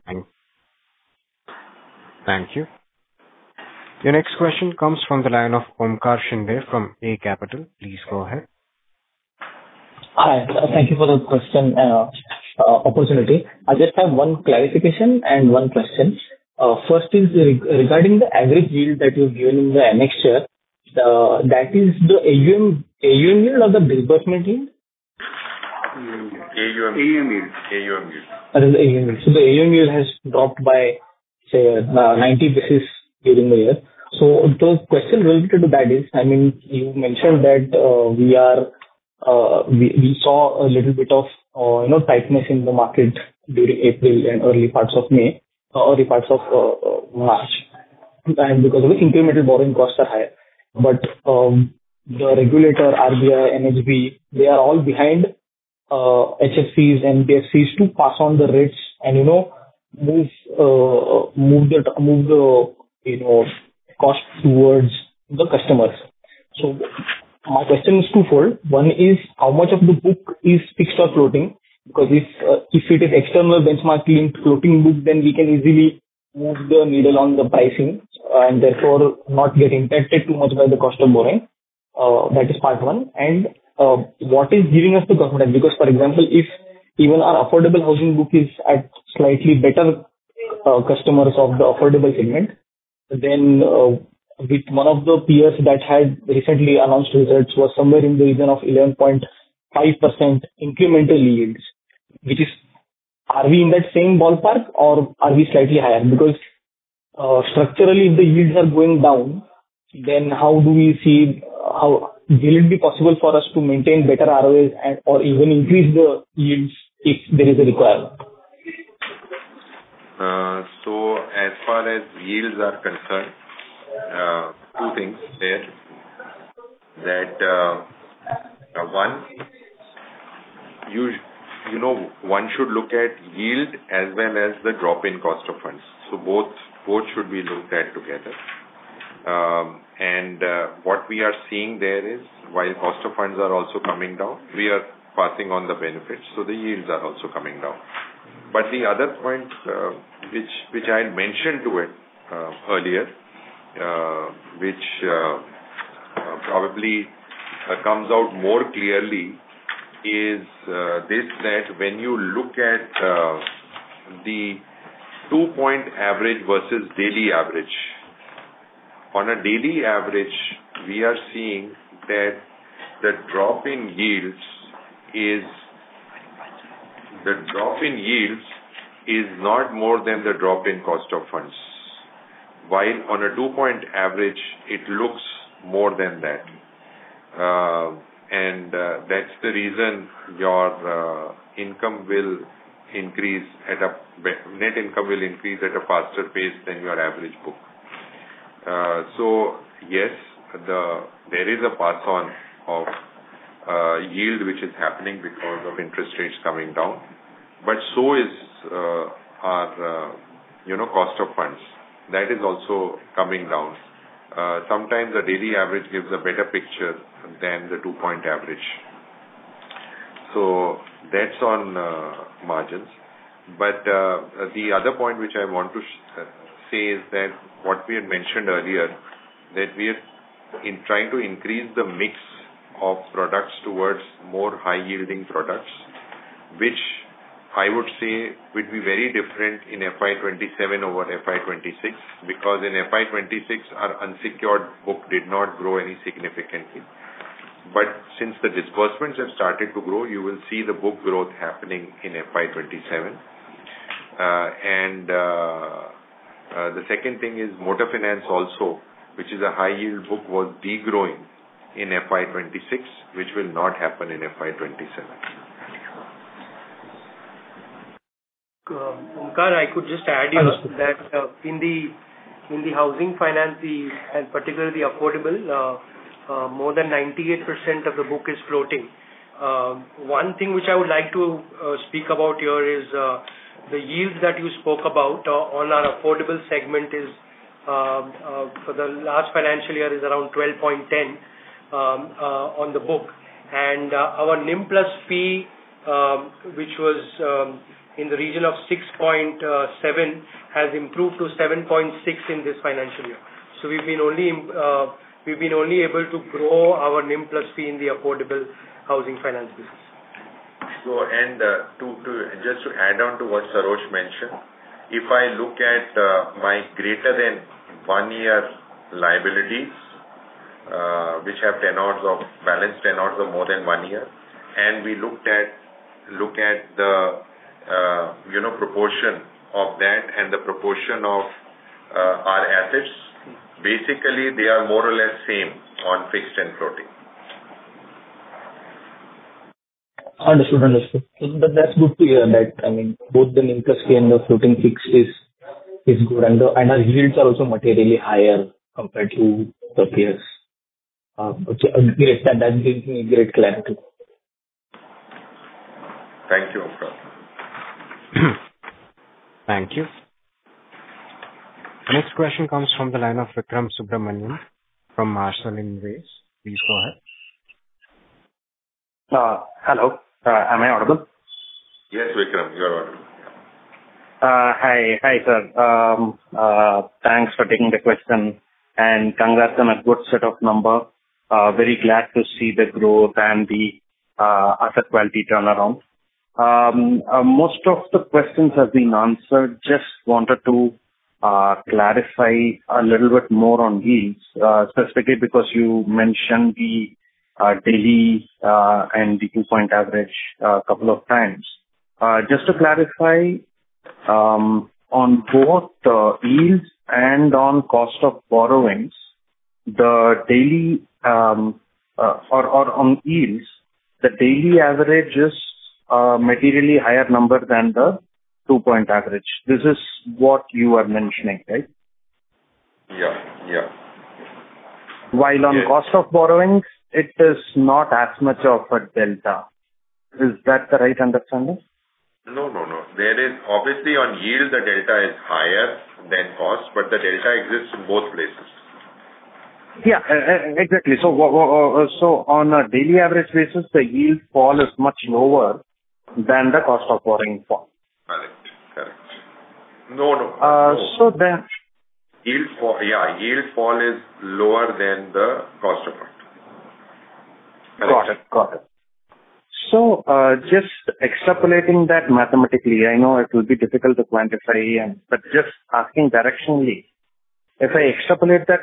Thank you. Thank you. Your next question comes from the line of Omkar Shinde from A Capital. Please go ahead. Hi. Thank you for the opportunity. I just have one clarification and one question. First is regarding the average yield that you've given in the annexure. That is the AUM yield or the disbursement yield? AUM yield. The AUM yield has dropped by, say, 90 basis during the year. The question related to that is, you mentioned that we saw a little bit of tightness in the market during April and early parts of March because of incremental borrowing costs are higher. The regulator, RBI, NHB, they are all behind HFCs and NBFCs to pass on the rates and move the cost towards the customers. My question is twofold. One is, how much of the book is fixed or floating? Because if it is external benchmark linked floating book, then we can easily move the needle on the pricing and therefore not get impacted too much by the cost of borrowing. That is part one. What is giving us the confidence? Because, for example, if even our affordable housing book is at slightly better customers of the affordable segment, then with one of the peers that had recently announced results was somewhere in the region of 11.5% incremental yields. Are we in that same ballpark or are we slightly higher? Because structurally, if the yields are going down, then will it be possible for us to maintain better ROAs or even increase the yields if there is a requirement? As far as yields are concerned, two things there, that one should look at yield as well as the drop in cost of funds. Both should be looked at together. What we are seeing there is while cost of funds are also coming down, we are passing on the benefits, so the yields are also coming down. The other point which I had mentioned to it earlier, which probably comes out more clearly is this, that when you look at the 2-point average versus daily average, on a daily average, we are seeing that the drop in yields is [inaudible] not more than the drop in cost of funds. While on a 2-point average, it looks more than that. That's the reason your net income will increase at a faster pace than your average book. Yes, there is a pass on of yield, which is happening because of interest rates coming down. So is our cost of funds. That is also coming down. Sometimes the daily average gives a better picture than the 2-point average. That's on margins. The other point which I want to say is that what we had mentioned earlier, that we are trying to increase the mix of products towards more high-yielding products, which I would say would be very different in FY 2027 over FY 2026, because in FY 2026, our unsecured book did not grow any significantly. Since the disbursements have started to grow, you will see the book growth happening in FY 2027. The second thing is motor finance also, which is a high-yield book, was de-growing in FY 2026, which will not happen in FY 2027. Omkar, I could just add here that in the housing finance and particularly affordable, more than 98% of the book is floating. One thing which I would like to speak about here is the yield that you spoke about on our affordable segment for the last financial year is around 12.10% on the book. Our NIM plus fee, which was in the region of 6.7%, has improved to 7.6% in this financial year. We've been only able to grow our NIM plus fee in the affordable housing finance business. Just to add on to what Sarosh mentioned, if I look at my greater than one year liabilities, which have balance tenors of more than one year, and we look at the proportion of that and the proportion of our assets. Basically, they are more or less same on fixed and floating. Understood. That's good to hear that. Both the NIM plus fee and the floating fixed is good. Our yields are also materially higher compared to the peers, which gives me great clarity. Thank you, Omkar. Thank you. Next question comes from the line of Vikram Subramanian from Marshall Wace. Please go ahead. Hello. Am I audible? Yes, Vikram, you are audible. Hi, sir. Thanks for taking the question and congrats on a good set of numbers. Very glad to see the growth and the asset quality turnaround. Most of the questions have been answered. Just wanted to clarify a little bit more on yields, specifically because you mentioned the daily and the 2-point average a couple of times. Just to clarify, on both yields and on cost of borrowings, or on yields, the daily average is a materially higher number than the 2-point average. This is what you are mentioning, right? Yeah. While on cost of borrowings, it is not as much of a delta. Is that the right understanding? No. There is obviously, on yield, the delta is higher than cost, but the delta exists in both places. Yeah, exactly. On a daily average basis, the yield fall is much lower than the cost of borrowing fall. Correct. No. So then- Yeah. yield fall is lower than the cost of it. Got it. Just extrapolating that mathematically, I know it will be difficult to quantify, but just asking directionally, if I extrapolate that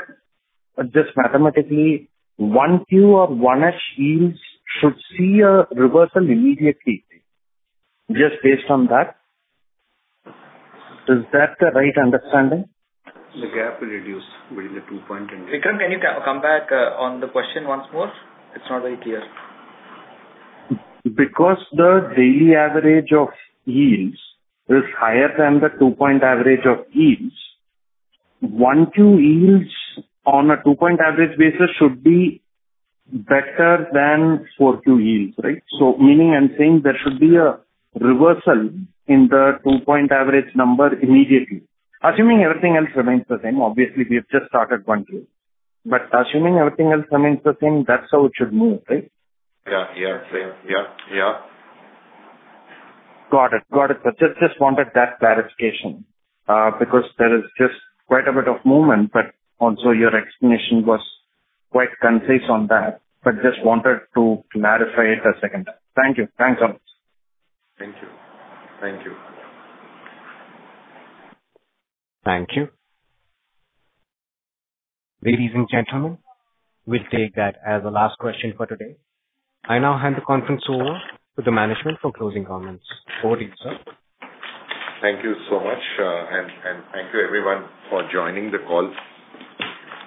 just mathematically, 1Q or 1H yields should see a reversal immediately, just based on that. Is that the right understanding? The gap will reduce between the 2 point and Vikram, can you come back on the question once more? It's not very clear. Because the daily average of yields is higher than the 2-point average of yields, 1Q yields on a two-point average basis should be better than four Q yields, right? Meaning I'm saying there should be a reversal in the 2-point average number immediately, assuming everything else remains the same. Obviously, we have just started 1Q. Assuming everything else remains the same, that's how it should move, right? Yeah. Got it. Just wanted that clarification, because there is just quite a bit of movement, but also your explanation was quite concise on that. But just wanted to clarify it a second time. Thank you. Thanks a lot. Thank you. Thank you. Ladies and gentlemen, we'll take that as the last question for today. I now hand the conference over to the management for closing comments. Over to you, sir. Thank you so much. Thank you everyone for joining the call.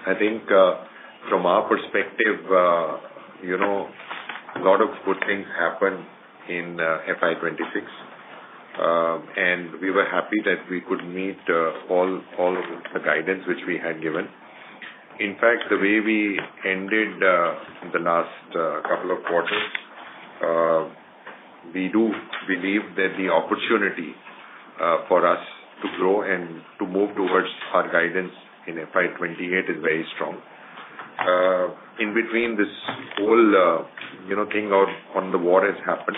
I think from our perspective, a lot of good things happened in FY 2026. We were happy that we could meet all of the guidance which we had given. In fact, the way we ended the last couple of quarters, we do believe that the opportunity for us to grow and to move towards our guidance in FY 2028 is very strong. In between this whole thing on the war has happened,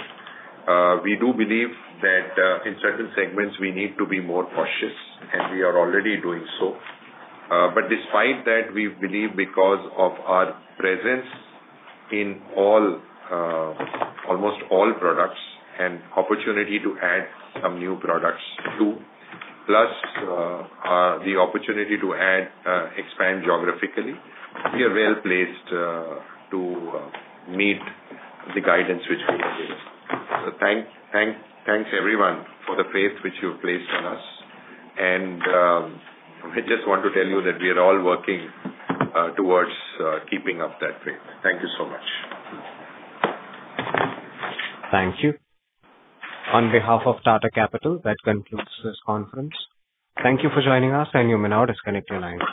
we do believe that in certain segments, we need to be more cautious, and we are already doing so. Despite that, we believe because of our presence in almost all products and opportunity to add some new products too, plus the opportunity to expand geographically, we are well-placed to meet the guidance which we have given. Thanks everyone for the faith which you have placed on us. We just want to tell you that we are all working towards keeping up that faith. Thank you so much. Thank you. On behalf of Tata Capital, that concludes this conference. Thank you for joining us and you may now disconnect your lines.